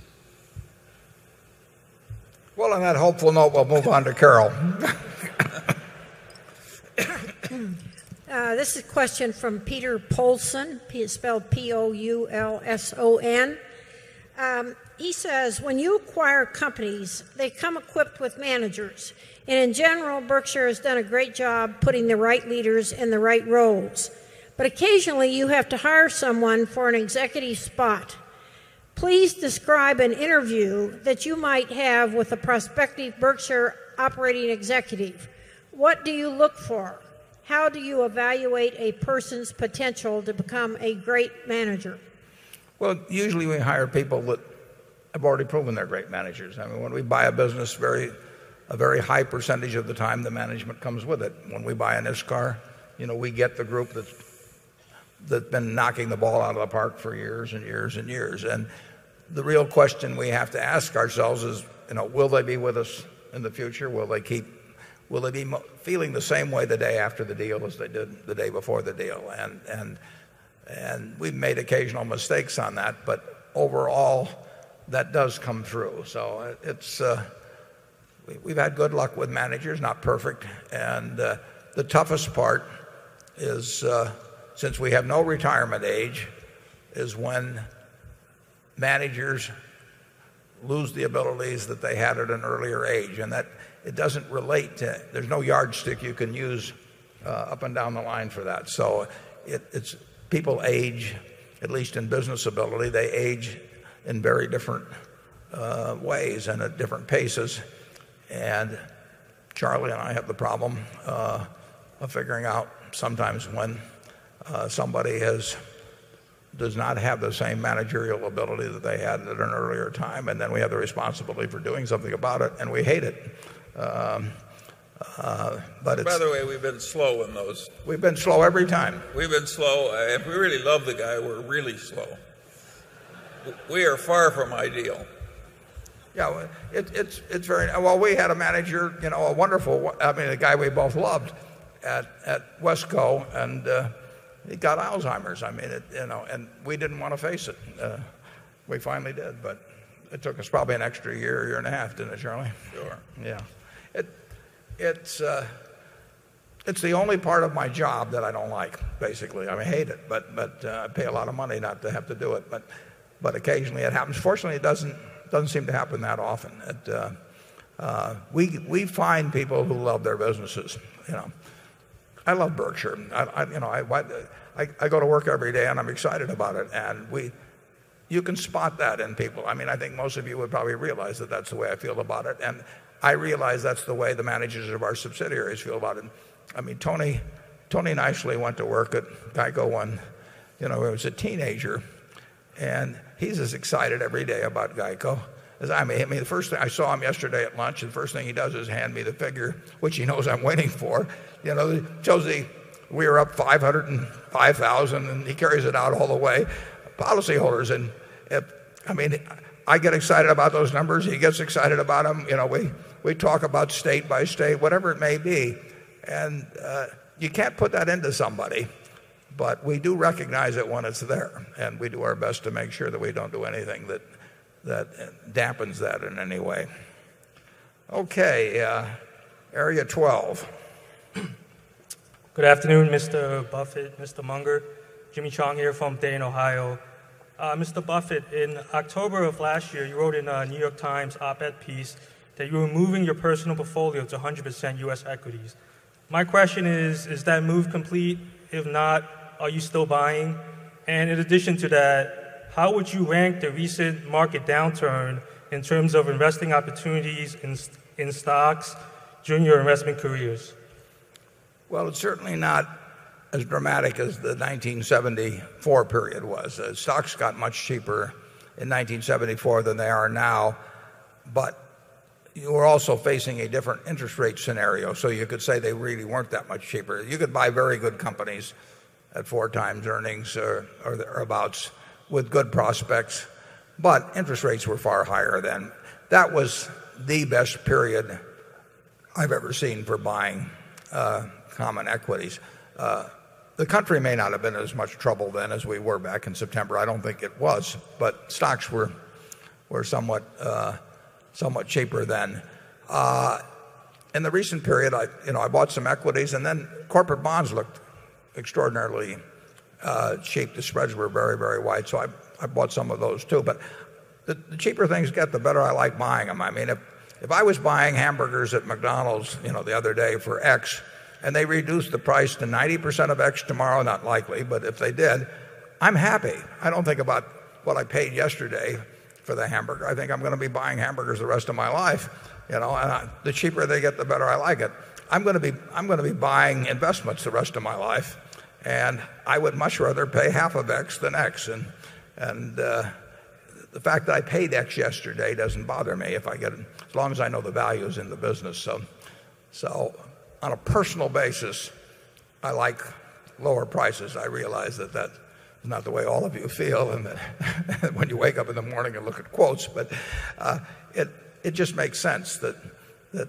Well, on that hopeful note, we'll move on to Carol. This is a question from Peter Poulson. He is spelled p o u l s o n. He says, when you acquire companies, they come equipped with managers. And in general, Berkshire has done a great job putting the right leaders in the right roles. But occasionally you have to hire someone for an executive spot. Please describe an interview that you might have with a prospective Berkshire Operating Executive. What do you look for? How do you evaluate a person's potential to become a great manager? Well, usually we hire people that have already proven they're great managers. I mean, when we buy a business a very high percentage of the time the management comes with it. When we buy a NASCAR, we get the group that's been knocking the ball out of the park for years years years. And the real question we have to ask ourselves is, you know, will they be with us in the future? Will they keep will they be feeling the same way the day after the deal as they did the day before the deal. And we've made occasional mistakes on that. But overall, that does come through. So we've had good luck with managers, not perfect and the toughest part is since we have no retirement age is when managers lose the abilities that they had at an earlier age and that it doesn't relate to it. There's no yardstick you can use up and down the line for that. So people age at least in business ability, they age in very different ways and at different paces and Charlie and I have the problem of figuring out sometimes when somebody does not have the same managerial ability that they had at an earlier time and then we have the responsibility for doing something about it and we hate it. By the way, we've been slow in those. We've been slow every time. We've been slow. If we really love the guy, we're really slow. We are far from ideal. Well, we had a manager, a wonderful I mean, the guy we both loved at Wesco and he got Alzheimer's. And we didn't want to face it. We finally did but it took us probably an extra year, year and a half, didn't it, Charlie? Sure. Yeah. It's the only part of my job that I don't like basically. I hate it but I pay a lot of money not to have to do it but occasionally it happens. Fortunately, it doesn't seem to happen that often. We find people who love their businesses. I love Berkshire. I go to work every day and I'm excited about it and we you can spot that in people. I mean I think most of you would probably realize that that's the way I feel about it and I realize that's the way the managers of our subsidiaries feel about it. I mean, Tony nicely went to work at GEICO when he was a teenager and he's as excited every day about GEICO as I may. I saw him yesterday at lunch and first thing he does is hand me the figure which he knows I'm waiting for. You know, Josie, we are up 505,000 and he carries it out all the way. Policyholders and I mean, I get excited about those numbers. He gets excited about them. We talk about state by state, whatever it may be. And you can't put that into somebody, but we do recognize it when it's there and we do our best to make sure that we don't do anything that dampens that in any way. Okay. Area 12. Good afternoon, Mr. Buffet, Mr. Munger. Jimmy Chong here from Dayton, Ohio. Mr. Buffet, in October of last year, you wrote in a New York Times op ed piece that you were moving your personal portfolio to 100% U. S. Equities. My question is, is that move complete? If not, are you still buying? And in addition to that, how would you rank the recent market downturn in terms of investing opportunities in stocks during your investment careers? Well, it's certainly not as dramatic as the 1974 period was. Stocks got much cheaper in 1974 than they are now, but you were also facing a different interest rate scenario. So you could say they really weren't that much cheaper. You could buy very good period I've ever seen for buying common equities. The country may not have been as much trouble then as we were back in September. I don't think it was but stocks were somewhat cheaper then. In the recent period, I bought some equities and then corporate bonds looked extraordinarily cheap. The spreads were very, very wide. So I bought some of those too. But the cheaper things get the better I like buying them. I mean if I was buying hamburgers at McDonald's the other day for X and they reduced the price to 90% of X tomorrow, not likely, but if they did, I'm happy. I don't think about what I paid yesterday for the hamburger. I think I'm going to be buying hamburgers the rest of my life. The cheaper they get, the better I like it. It. I'm going to be buying investments the rest of my life and I would much rather pay half of X than X and the fact that I paid X yesterday doesn't bother me if I get as long as I know the values in the business. So on a personal basis, I like lower prices. I realize that that's not the way all of you feel and when you wake up in the morning and look at quotes but it just makes sense that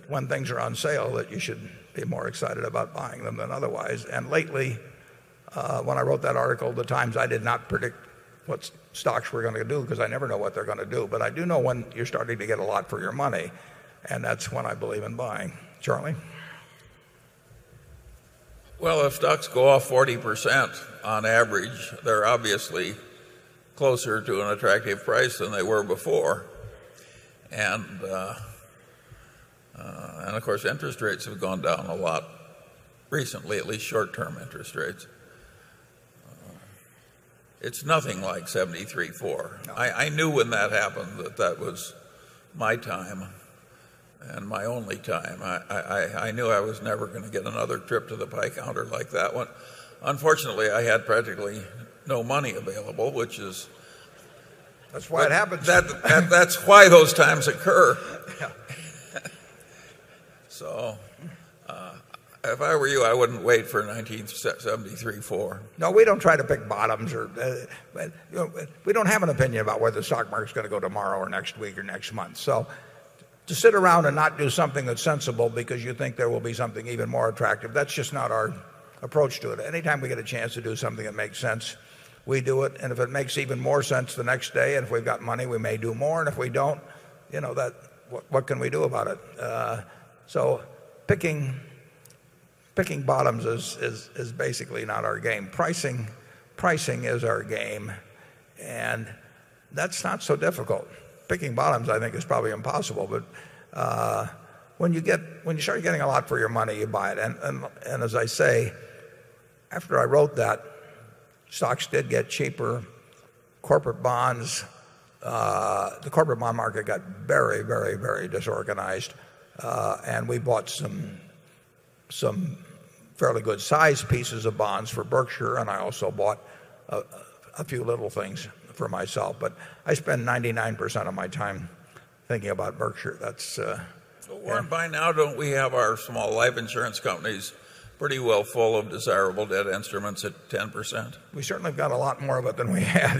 when things are on sale, that you should be more excited about buying them than otherwise. And lately, when I wrote that article at The Times, I did not predict what we're going to do because I never know what they're going to do. But I do know when you're starting to get a lot for your money and that's when I believe in buying. Charlie? Well, if stocks go off 40% on average, they're obviously closer to an attractive price than they were before. And of course, interest rates have gone down a lot recently, at least short term interest rates. It's nothing like 73.4. I knew when that happened that that was my time and my only time. I knew I was never going to get another trip to the bike counter like that one. Unfortunately, I had practically no money available, which is That's why it happens. That's why those times occur. So if I were you, I wouldn't wait for 1973. No, we don't try to pick bottoms or we don't have an opinion about where the stock market is going to go tomorrow or next week or next month. So to sit around and not do something that's sensible because you think there will be something even more attractive, that's just not our approach to it. Anytime we get a chance to do something that makes sense, we do it. And if it makes even more sense the next day and if we've got money, we may do more. And if we don't, you know that what can we do about it? So picking bottoms is basically not our game. Pricing is our game and that's not so difficult. Picking bottoms, I think, is probably impossible but when you start getting a lot for your money, you buy it. And as I say, after I wrote that, stocks did get cheaper, corporate bonds, the corporate bond market got very, very, very disorganized and we bought some fairly good sized pieces of bonds for Berkshire and I also bought a few little things for myself. But I spend 99% of my time thinking about Berkshire. That's a war. And by now, don't we have our small life insurance companies pretty well full of desirable debt instruments at 10%? We certainly have got a lot more of it than we had.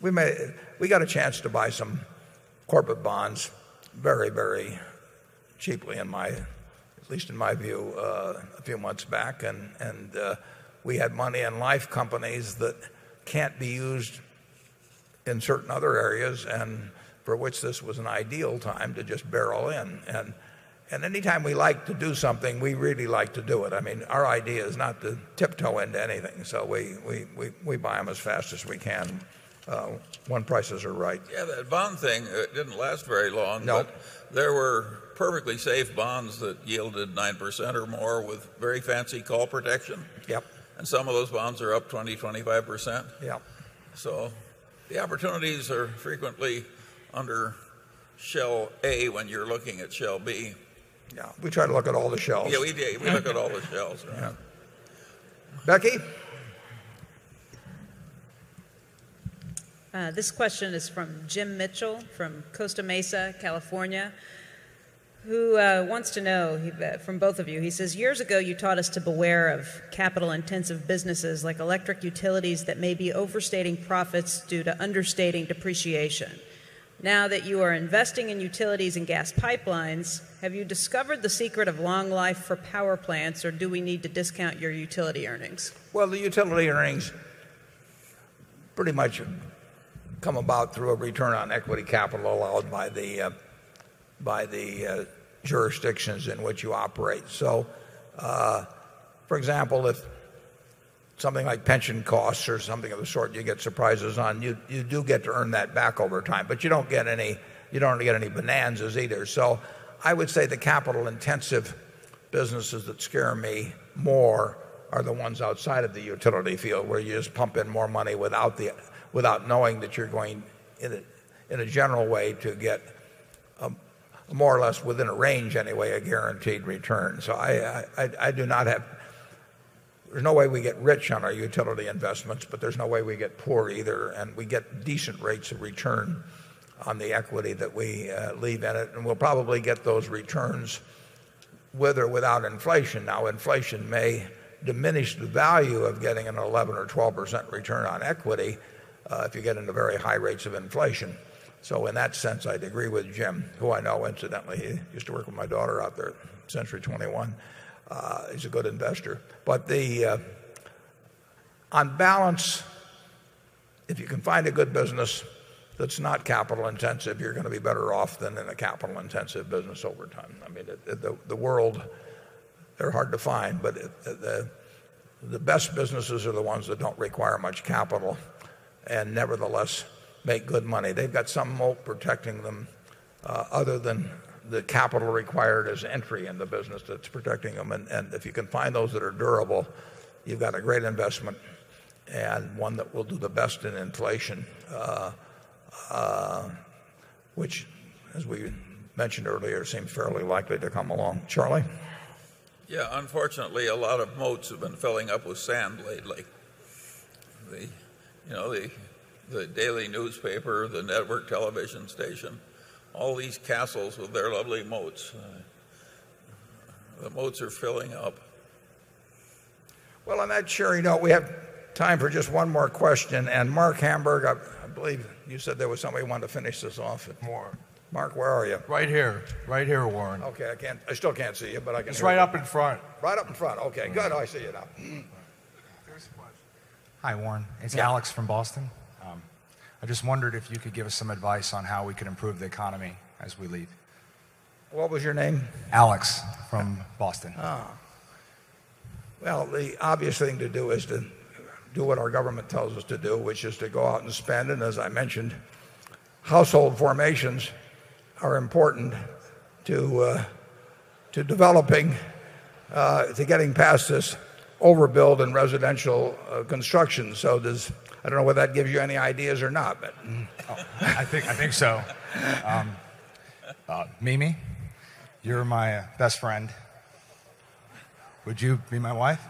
We got a chance to buy some corporate bonds very, very cheaply, at least in my view, a few months back and we had money in life companies that can't be used in certain other areas and for which this was an ideal time to just barrel in. And any time we like to do something, we really like to do it. I mean, our idea is not to tiptoe into anything. So we buy them as fast as we can when prices are right. Yes. That bond thing didn't last very long but there were perfectly safe bonds that yielded 9% or more with very fancy call protection. And some of those bonds are up 20%, 25%. So the opportunities are frequently under Shell A when you're looking at Shell B. Yes. We try to look at all the Shells. Yes, EVA. We look at all the Shells. Yes. Becky? This question is from Jim Mitchell from Costa Mesa, California, who wants to know from both of you. He says, years ago, you taught us to beware of capital intensive businesses like electric utilities that may be overstating profits due to understating depreciation. Now that you are investing in utilities and gas pipelines, have you discovered earnings pretty much come about through a return on equity capital allowed by the, jurisdictions in which you operate. So, for example, if something like pension costs or something of a sort you get surprises on, you do get to earn that back over time. But you don't get any bonanzas either. So I would say the capital intensive businesses that scare me more are the ones outside of the utility field where you just pump in more money without knowing that you're going in a general way to get more or less within a range anyway a guaranteed return. So I do not have no way we get rich on our utility investments, but there's no way we get poor either and we get decent rates of return on the equity that we leave in it and we'll probably get those returns with or without inflation. Now inflation may diminish the value of getting an 11% or 12 percent return on equity if you get into very high rates of inflation. So in that sense, I'd agree with Jim who I know incidentally. He used to work with my daughter out there Century 21, is a good investor. But on balance, if you can find a good business that's not capital intensive, you're going to be better off than a capital intensive business over time. I mean, the world, they're hard to find, but the best businesses are the ones that don't require much capital and nevertheless make good money. They've got some moat protecting them other than the capital required as entry in the business that's protecting them. And if you can find those that are durable, you've got a great investment and one that will do the best in inflation, which as we mentioned earlier, seems fairly likely to come along. Charlie? Yes. Unfortunately, a lot of moats have been filling up with sand lately. The, you know, the daily newspaper, the network television station, all these castles with their lovely moats. The moats are filling up. Well, on that cheery note, we have time for just one more question. And Mark Hamburg, I believe you said there was somebody who wanted to finish this off. Mark, where are you? Right here. Right here, Warren. Okay. I can't I still can't see you, but I can It's right up in front. Right up in front. Okay. Good. I see it now. Hi, Warren. It's Alex from Boston. I just wondered if you could give us some advice on how we could improve the economy as we lead. What was your name? Alex from Boston. Well, the obvious thing to do is to do what our government tells us to do which is to go out and spend and as I mentioned, household formations are important to developing, to getting past this overbuild and residential construction. So this I don't know what that gives you any ideas or not but I think so. Mimi, you're my best friend. Would you be my wife?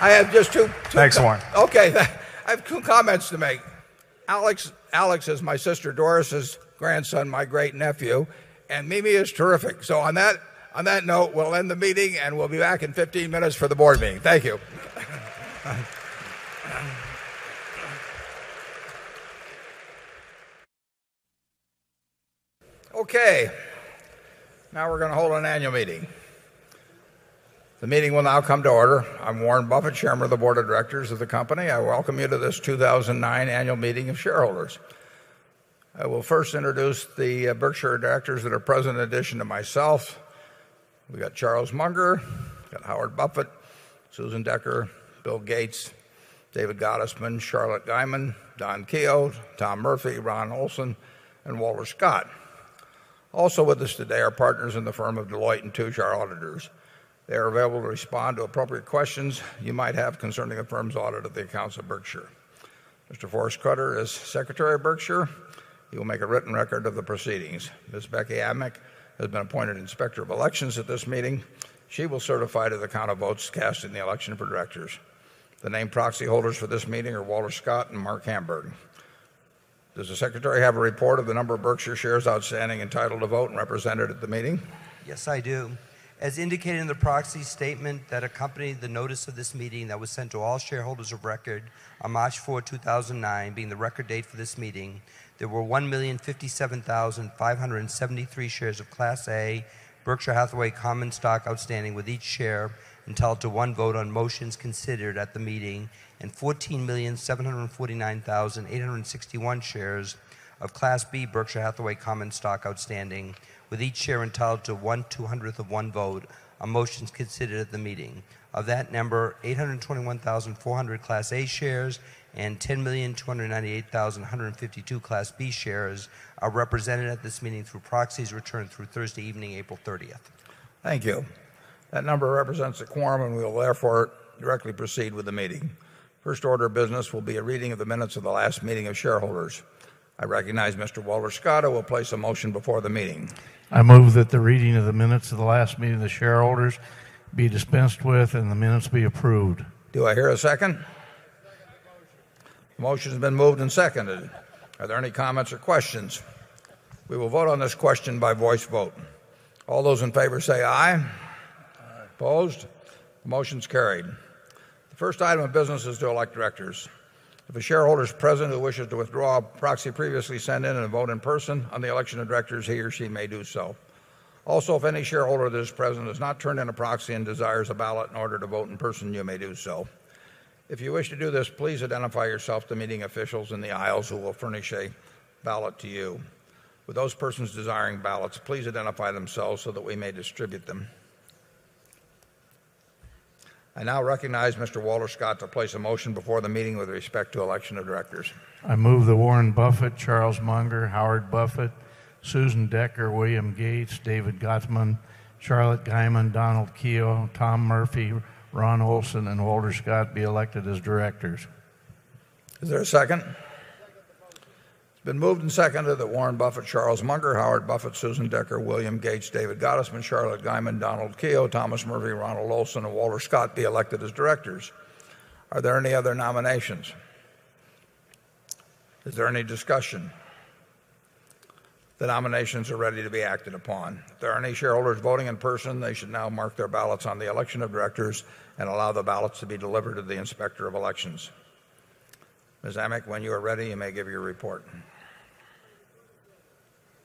I have just 2 comments to make. Alex is my sister, Doris' grandson, my great nephew, and Mimi is terrific. So on that note, we'll end the meeting and we'll be back in 15 minutes for the Board meeting. Thank you. Okay. Now we're going to hold an annual meeting. The meeting will now come to order. I'm Warren Buffett, Chairman of the Board of Directors of the company. I welcome you to this 2009 Annual Meeting of Shareholders. I will first introduce the Berkshire directors that are present in addition to myself. We've got Charles Munger, Howard Buffett, Susan Decker, Bill Gates, David Gottesman, Charlotte Diamond, Don Keogh, Tom Murphy, Ron Olson and Walter Scott. Also with us today are partners in the firm of Deloitte and 2 char auditors. They are available to respond to appropriate questions you might have concerning the firm's audit of the accounts of Berkshire. Mr. Forrest Carter is Secretary of Berkshire. He will make a written record of the proceedings. Ms. Becky Amec has been appointed Inspector of Elections at this meeting. She will certify to the count of votes cast in the election for directors. The name proxy holders for this meeting are Walter Scott and Mark Hamburg. Does the secretary have a report of the number of Berkshire shares outstanding entitled to vote and represented at the meeting? Yes, I do. As indicated in the proxy statement that accompany the notice of this meeting that was sent to all shareholders of record on March 4, 2009 being the record date for this meeting, there were 1,057,573 shares of Class A Berkshire Hathaway common stock outstanding with each share entitled to 1 vote on motions considered at the meeting and 14,749,861 shares of Class B Berkshire Hathaway common stock outstanding with each share entitled to onetwo hundredth of one vote. A motion is considered at the meeting. Of that number, 821,400 Class A Shares and 10,298,152 Class B Shares are represented at this meeting through proxies returned through Thursday evening, April 30. Thank you. That number represents a quorum and we will therefore directly proceed with the meeting. First order of business will be a reading of the minutes of the last meeting of shareholders. I recognize Mr. Walter Scott will place a motion before the meeting. I move that the reading of the minutes of the last meeting of the shareholders be dispensed with and the minutes be approved. Do I hear a second? Second. Motion has been moved and seconded. Are there any comments or questions? We will vote on this question by voice vote. All those in favor, say aye. Aye. Opposed? Motion is carried. The first item of business is to elect directors. If a shareholder is president who wishes to withdraw a proxy previously sent in and vote in person on the election of directors, he or she may do so. Also, if any shareholder of this president has not turned in a proxy and desires a ballot in order to vote in person, you may do so. If you wish to do this, please identify yourself to meeting officials in the aisles who will furnish a ballot to you. With those persons desiring ballots, please identify themselves so that we may distribute them. I now recognize Mr. Walter Scott to place a motion before the meeting with respect to election of directors. I move that Warren Buffett, Charles Munger, Howard Buffett, Susan Decker, William Gates, David Gottman, Charlotte Guyman, Donald Kio, Tom Murphy, Ron Olson and Walter Scott be elected as directors. Is there a second? It's been moved and seconded that Warren Buffet, Charles Munger, Howard Buffet, Susan Decker, William Gates, David Gottesman, Charlotte Guyman, Donald Keogh, Thomas Murphy, Ronald Olson and Walter Scott be elected as directors. Are there any other nominations? Is there any discussion? The nominations are ready to be acted upon. If there are any shareholders voting in person, they should now mark their ballots on the election of directors and allow the ballots to be delivered to the Inspector of Elections. Ms. Hammack, when you are ready, you may give your report.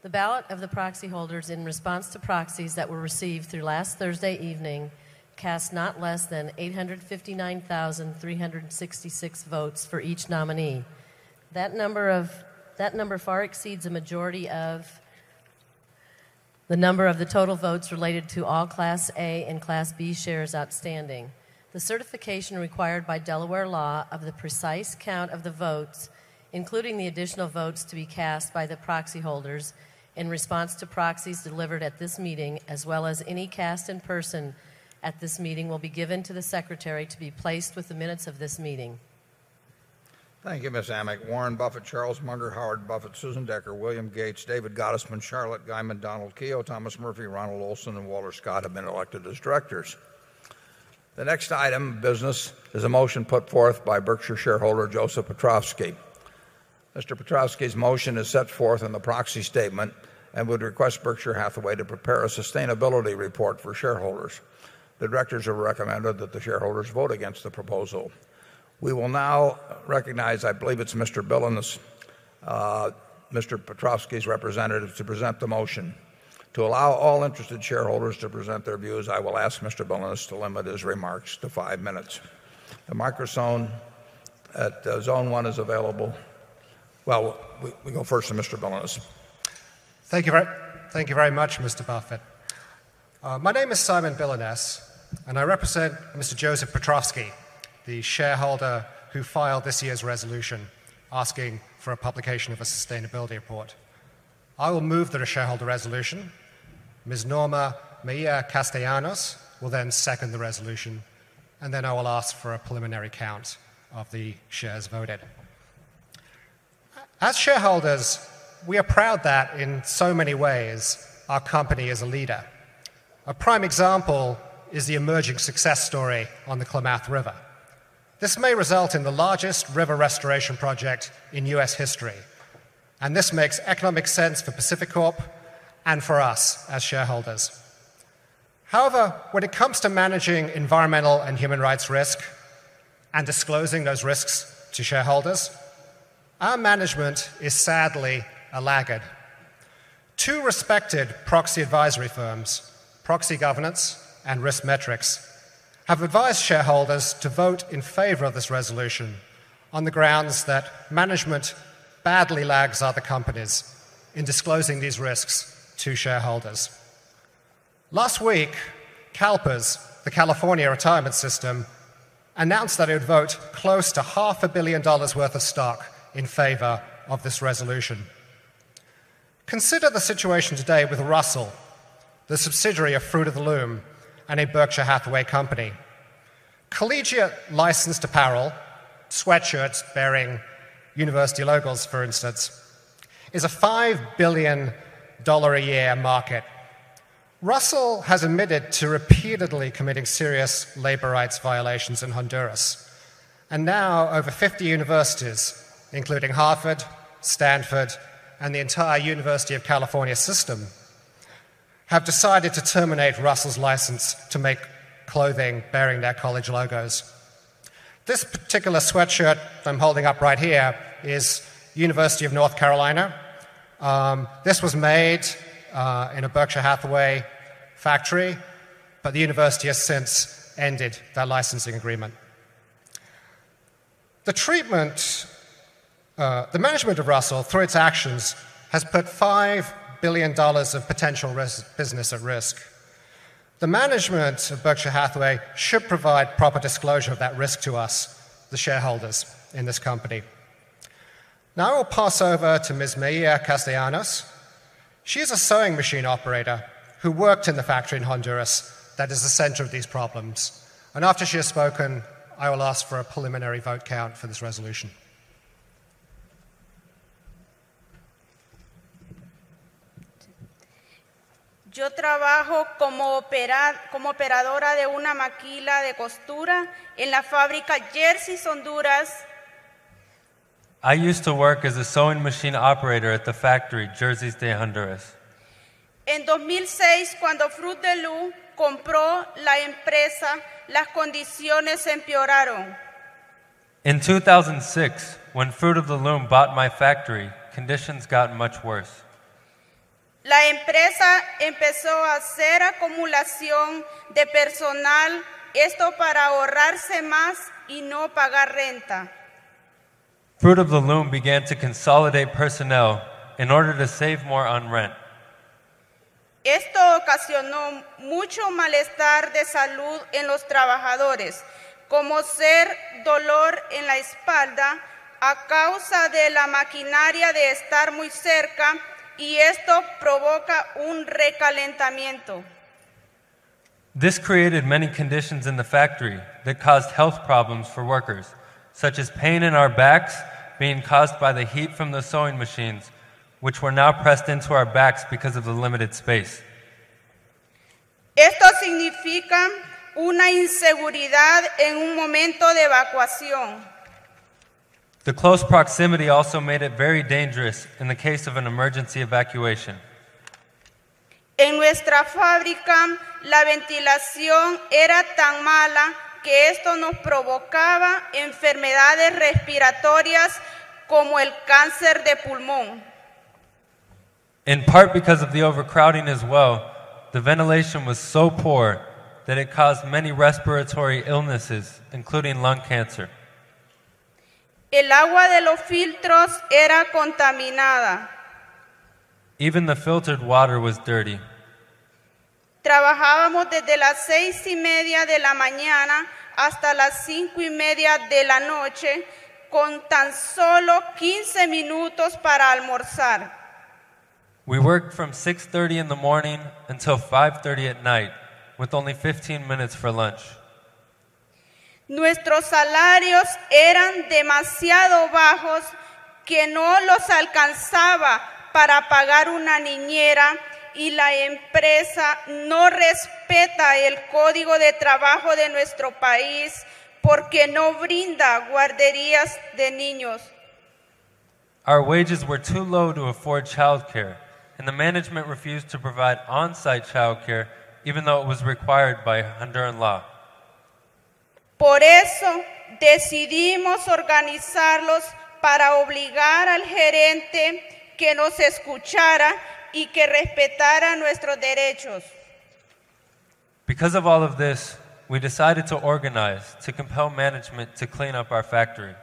The ballot of the proxy holders in response to proxies that were received through last Thursday evening cast not less than 859,300 and 66 votes for each nominee. That number far exceeds the majority of the number of the total votes related to all Class A and Class B shares outstanding. The certification required by Delaware law of the precise count of the votes, including the additional votes to be cast by the proxy holders in response to proxies delivered at this meeting as well as any cast in person at this meeting will be given to the secretary to be placed with the minutes of this meeting. Thank you, Ms. Amick. Warren Buffett, Charles Munger, Howard Buffett, Susan Decker, William Gates, David Gottesman, Charlotte Guyman, Donald Keogh, Thomas Murphy, Ronald Olson and Walter Scott have been elected as Directors. The next item of business is a motion put forth by Berkshire shareholder Joseph Petrosky. Mr. Petrosky's motion is set forth in the proxy statement and would request Berkshire Hathaway to prepare a sustainability report for shareholders. The directors have recommended that the shareholders vote against the proposal. We will now recognize, I believe it's Mr. Bilenis, Mr. Petrosky's representatives to present the motion. To allow all interested shareholders to present their views, I will ask Mr. Bilmes to limit his remarks to 5 minutes. The microphone at Zone 1 is available. Well, we go first to Mr. Bilanes. Thank you very much, Mr. Buffet. My name is Simon Villanes and I represent Mr. Joseph Petrosky, the shareholder who filed this year's resolution asking for a publication of a sustainability report. I will move that a shareholder resolution. Ms. Norma Meia Castellanos will then second the resolution and then I will ask for a preliminary count of the shares voted. As shareholders, we are proud that in so many ways, our company is a leader. A prime example is the emerging success story on the Klamath River. This may result in the largest river restoration project in US history and this makes economic sense for Pacificorp and for us as shareholders. However, when it comes to managing environmental and human rights risk and disclosing those risks to shareholders, our management is sadly a laggard. 2 respected proxy advisory firms, proxy governance and risk metrics, have advised shareholders to vote in favor of this resolution on the grounds that management badly lags other companies in disclosing these risks to shareholders. Last week, CalPERS, the California Retirement System, announced that it would vote close to half a $1,000,000,000 worth of stock in favor of this resolution. Consider the situation today with Russell, the subsidiary of Fruit of the Loom and a Berkshire Hathaway company. Collegiate licensed apparel, sweatshirt bearing university logos for instance, is a $5,000,000,000 a year market. Russell has admitted to repeatedly committing serious labor rights violations in Honduras And now over 50 universities including Hartford, Stanford and the entire University of California system have decided to terminate Russell's license to make clothing bearing their college logos. This particular sweatshirt I'm holding up right here is University of North Carolina. This was made in a Berkshire Hathaway factory but the university has since ended that licensing agreement. The treatment, the management of Russell through its actions has put $5,000,000,000 of potential business at risk. The management of Berkshire Hathaway should provide proper disclosure of that risk to us, the shareholders in this company. Now, I'll pass over to Ms. Meia Castellanos. She is a sewing machine operator who worked in the factory in Honduras that is the center of these problems And after she has spoken, I will ask for a preliminary vote count for this resolution. I used to work as a sewing machine operator at the factory, Jerseys de Honduras. In 2006, when Fruit of the Loom bought my factory, conditions got much worse. Fruit of the Loom began to consolidate personnel in order to save more on rent. This created many conditions in the factory that caused health problems for workers, such as pain in our backs being caused by the heat from the sewing machines, which were now pressed into our backs because of the limited space. The close proximity also made it very dangerous in the case of an emergency evacuation. In part because of the overcrowding as well, the ventilation was so poor that it caused many respiratory illnesses, including lung cancer. Even the filtered water was dirty. We work from 6:30 in the morning until 5:30 at night, with only 15 minutes for lunch. Our wages were too low to afford childcare and the management refused to provide on-site childcare even though it was required by Honduran law. Because of all of this, we decided to organize to compel management to clean up our factory.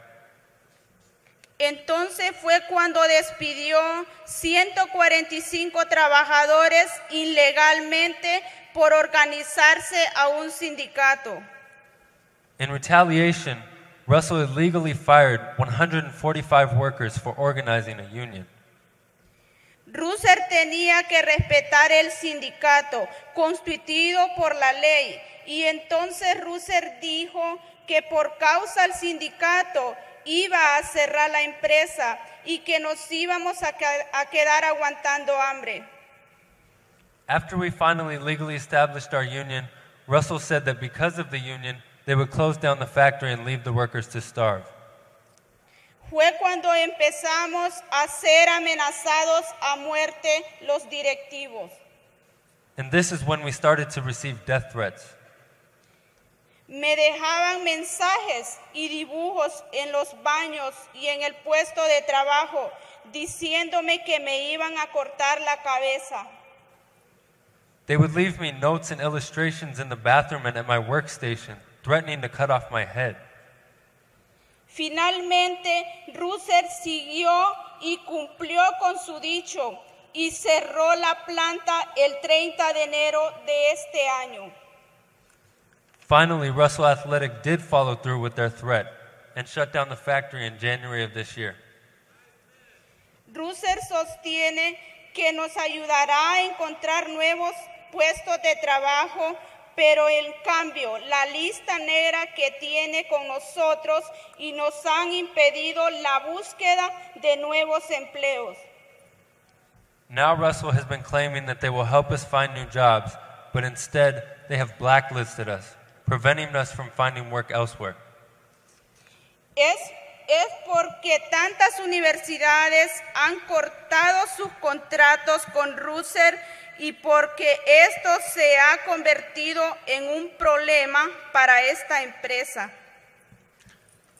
In retaliation, Russell illegally fired 145 workers for organizing a union. After we finally legally established our union, Russell said that because of the union, they would close down the factory and leave the workers to starve. And this is when we started to receive death threats. They would leave me notes and illustrations in the bathroom and at my workstation, threatening to cut off my head. Finally, Russell Athletic did follow through with their threat and shut down the factory in January of this year. Now Russell has been claiming that they will help us find new jobs, but instead they have blacklisted us, preventing us from finding work elsewhere.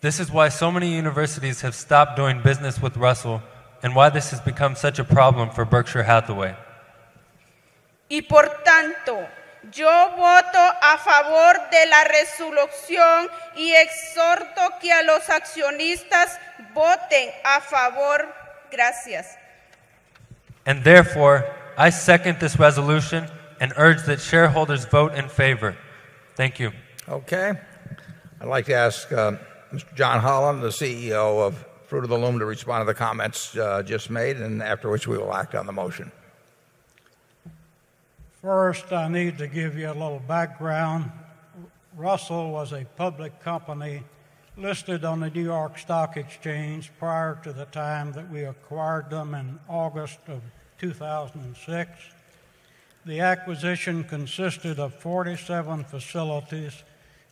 This is why so many universities have stopped doing business with Russell, and why this has become such a problem for Berkshire Hathaway. And therefore, I second this resolution and urge that shareholders vote in favor. Thank you. Okay. I'd like to ask, John Holland, the CEO of Fruit of the Loom, to respond to the comments, just made and after which we will act on the motion. First, I need to give you a little background. Russell was a public company listed on the New York Stock Exchange prior to the time that we acquired them in August of 2,006. The acquisition consisted of 47 facilities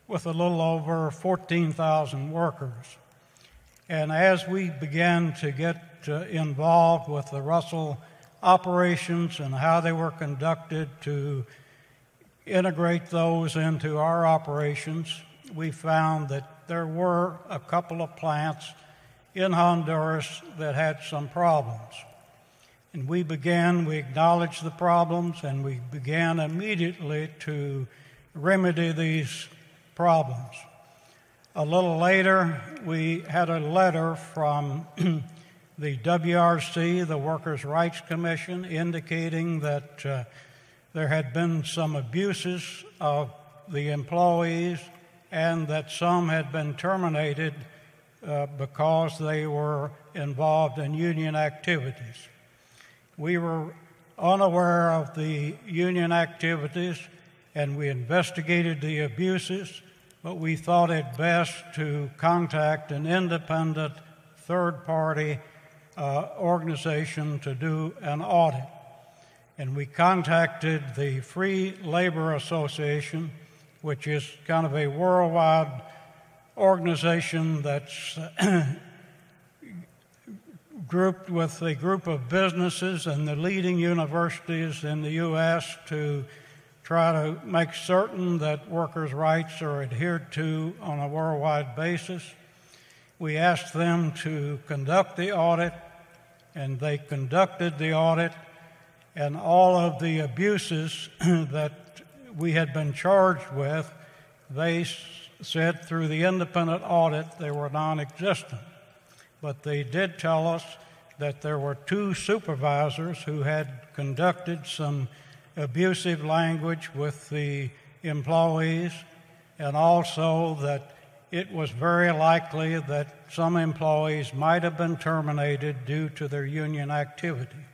with a little over 14,000 workers. And as we began to get involved with the Russell operations and how they were conducted to integrate those into our operations, we found that there were a couple of plants in Honduras that had some problems. And we began, we acknowledged the problems and we began immediately to remedy these problems. A little later, we had a letter from the WRC, the Workers Rights Commission indicating that there had been some abuses of the employees and that some had been terminated because they were involved in union activities. We were unaware of the union activities and we investigated the abuses, but we thought it best to contact an independent third party organization to do an audit. And we contacted the Free Labor Association, which is kind of a worldwide organization that's grouped with a group of businesses and the leading universities in the US to try to make certain that workers' rights are adhered to on a worldwide basis. We asked them to conduct the audit and they conducted the audit. And all of the abuses that we had been charged with, they said through the independent audit they were nonexistent. But they did tell us that there were 2 supervisors who had conducted some abusive language with the employees and also that it was very likely that some employees might have been terminated due to their union activity.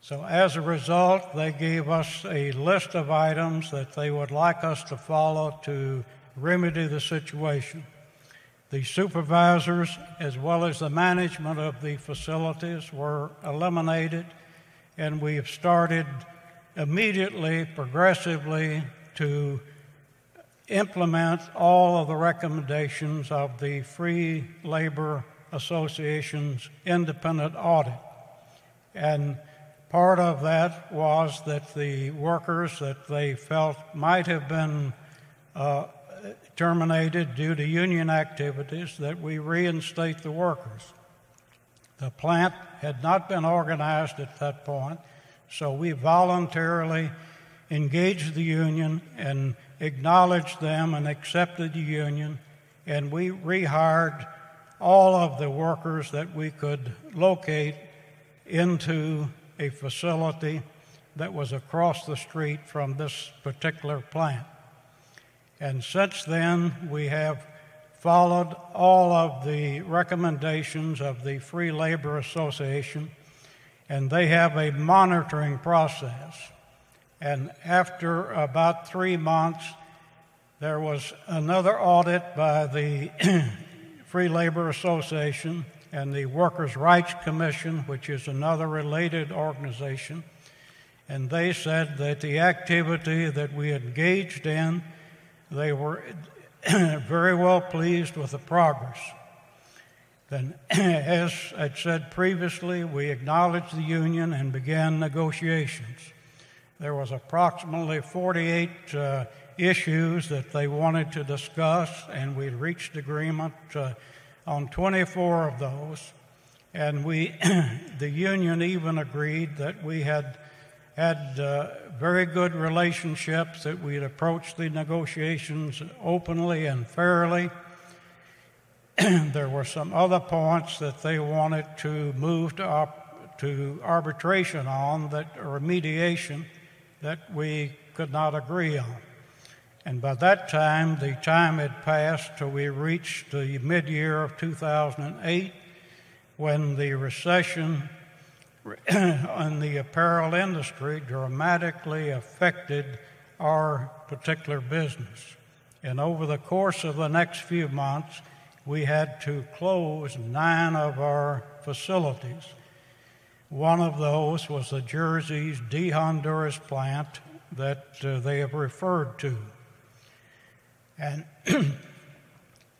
So as a result, they gave us a list of items that they would like us to follow to remedy the situation. The supervisors as well as the management of the facilities were eliminated and we have started immediately, progressively to implement all of the recommendations of the Free Labour Association's independent audit. And part of that was that the workers that they felt might have been terminated due to union activities that we reinstate the workers. The plant had not been organized at that point So we voluntarily engaged the union and acknowledged them and accepted the union and we rehired all of the workers that we could locate into a facility that was across the street from this particular plant. And since then, we have followed all of the recommendations of the Free Labor Association and they have a monitoring process. And after about 3 months, there was another audit by the Free Labor Association and the Workers Rights Commission, which is another related organization, And they said that the activity that we engaged in, they were very well pleased with the progress. And as I've said previously, we acknowledged the union and began negotiations. There was approximately 48 issues that they wanted to discuss and we reached agreement on 24 of those. And we the union even agreed that we had had very good relationships, that we had approached the negotiations openly and fairly. There were some other points that they wanted to move up to arbitration on, remediation that we could not agree on. And by that time, the time had passed till we reached the mid year of 2,008 when the recession on the apparel industry the facilities. One of those was the Jersey's de Honduras plant that they have referred to. And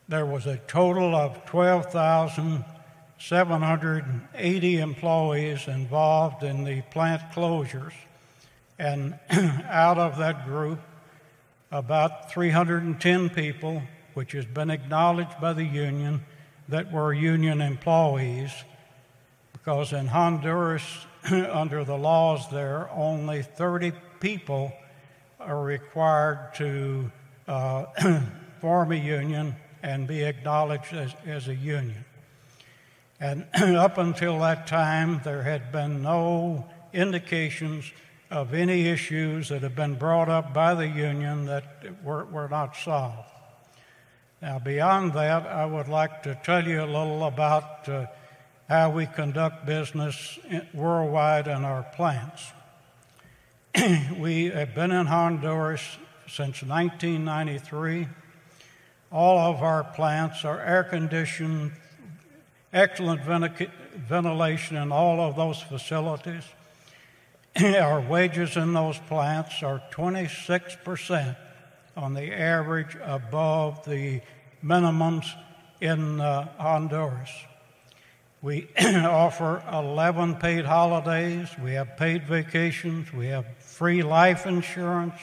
there was a total of 12,780 employees involved in the plant closures. And out of that group, about 310 people, which has been acknowledged by the union, that were union employees because in Honduras, under the laws there, only 30 people are required to form a union and be acknowledged as a union. And up until that time, there had been no indications of any issues that have been brought up by the union that were not solved. Now beyond that, I would like to tell you a little about how we conduct business worldwide in our plants. We have been in Honduras since 1993. All of our plants are air conditioned, excellent ventilation in all of those facilities. Our wages in those plants are 26% on the average above the minimums in Honduras. We offer 11 paid holidays. We have paid vacations. We have free life insurance.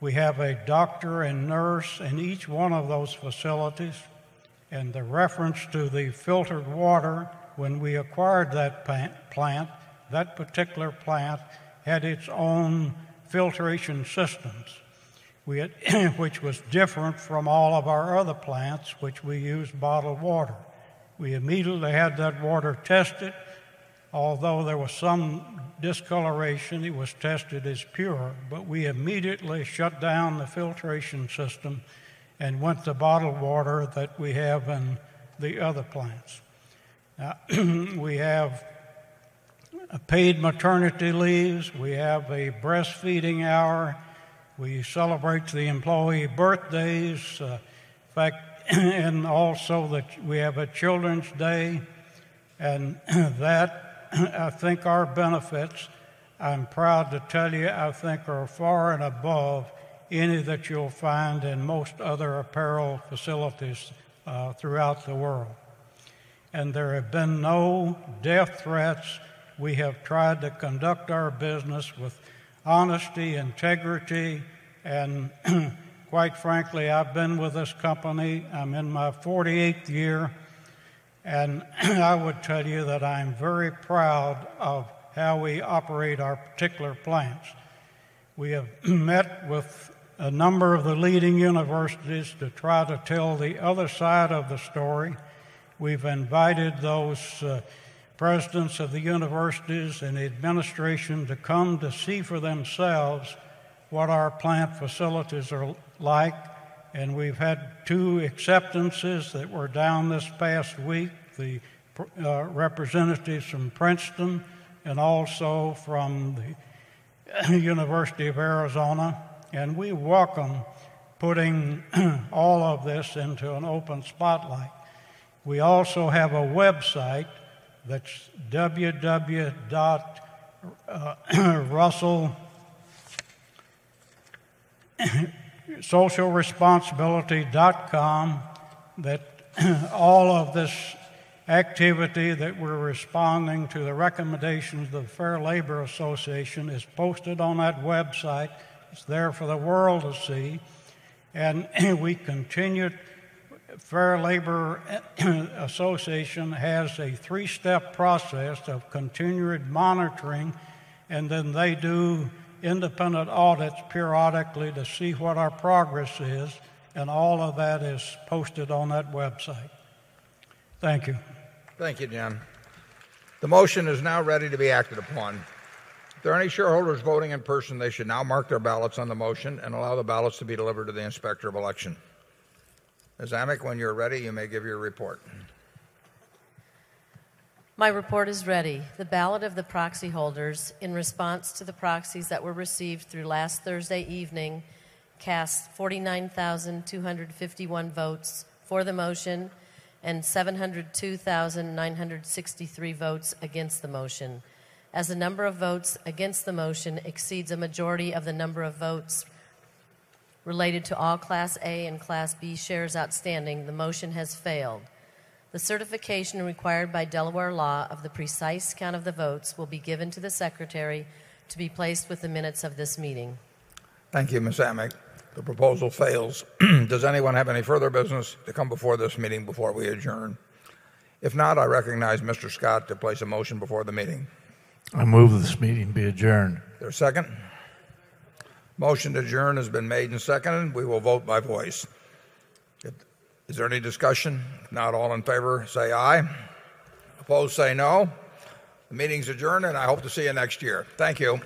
We have a doctor and nurse in each one of those facilities. And the reference to the filtered water when we acquired that plant, that particular plant had its own filtration systems, which was different from all of our other plants, which we used bottled water. We immediately had that water tested. Although there was some discoloration, it was tested as pure, but we immediately shut down the filtration system and went the bottled water that we have in the other plants. We have paid maternity leaves. We have a breastfeeding hour. We celebrate the employee birthdays in fact, and also that we have a Children's Day. And that I think our benefits, I'm proud to tell you, I think are far and above any that you'll find in most other apparel facilities throughout the world. And there have been no death threats. We have tried to conduct our business with honesty, integrity, and quite frankly, I've been with this company. I'm in my 48th year, and I would tell you that I am very proud of how we operate our particular plants. We have met with a number of the leading universities to try to tell the other side of the story. We've invited those presidents of the universities and the administration to come to see for themselves what our plant facilities are like, and we've had 2 acceptances that were down this past week, the representatives from Princeton and also from the University of Arizona, and we welcome putting all of this into an open spotlight. We also have a website that's www. Russellsocialresponsibility.com that all of this activity that we're responding to the recommendations of the Fair Labor Association is posted on that website. It's there for the world to see and we continued Fair Labor Association has a 3 step process of continued monitoring and then they do independent audits periodically to see what our progress is, United States. We have a very strong position to be able to do this. We have a very strong position to If there are any shareholders voting in person, they should now mark their ballots on the motion and allow the ballots to be delivered to the Inspector of Election. Ms. Amec, when you're ready, you may give your report. My report is ready. The ballot of the proxy holders in response to the proxies that were received through last Thursday evening cast 49,251 votes for the motion and 702,963 votes against the motion. As the number of votes against the motion exceeds a majority of the number of votes related to all Class A and Class B shares outstanding, the motion has failed. The certification required by Delaware law of the precise count of the votes will be given to the secretary to be placed with the minutes of this meeting. Thank you, Ms. Amick. The proposal fails. Does anyone have any further business to come before this meeting before we adjourn? If not, I recognize Mr. Scott to place a motion before the meeting. I move that this meeting be adjourned. Is there a second? Motion to adjourn has been made and seconded. We will vote by voice. Is there any discussion? If not, all in favor, say aye. Opposed say no. The meeting is adjourned and I hope to see you next year. Thank you.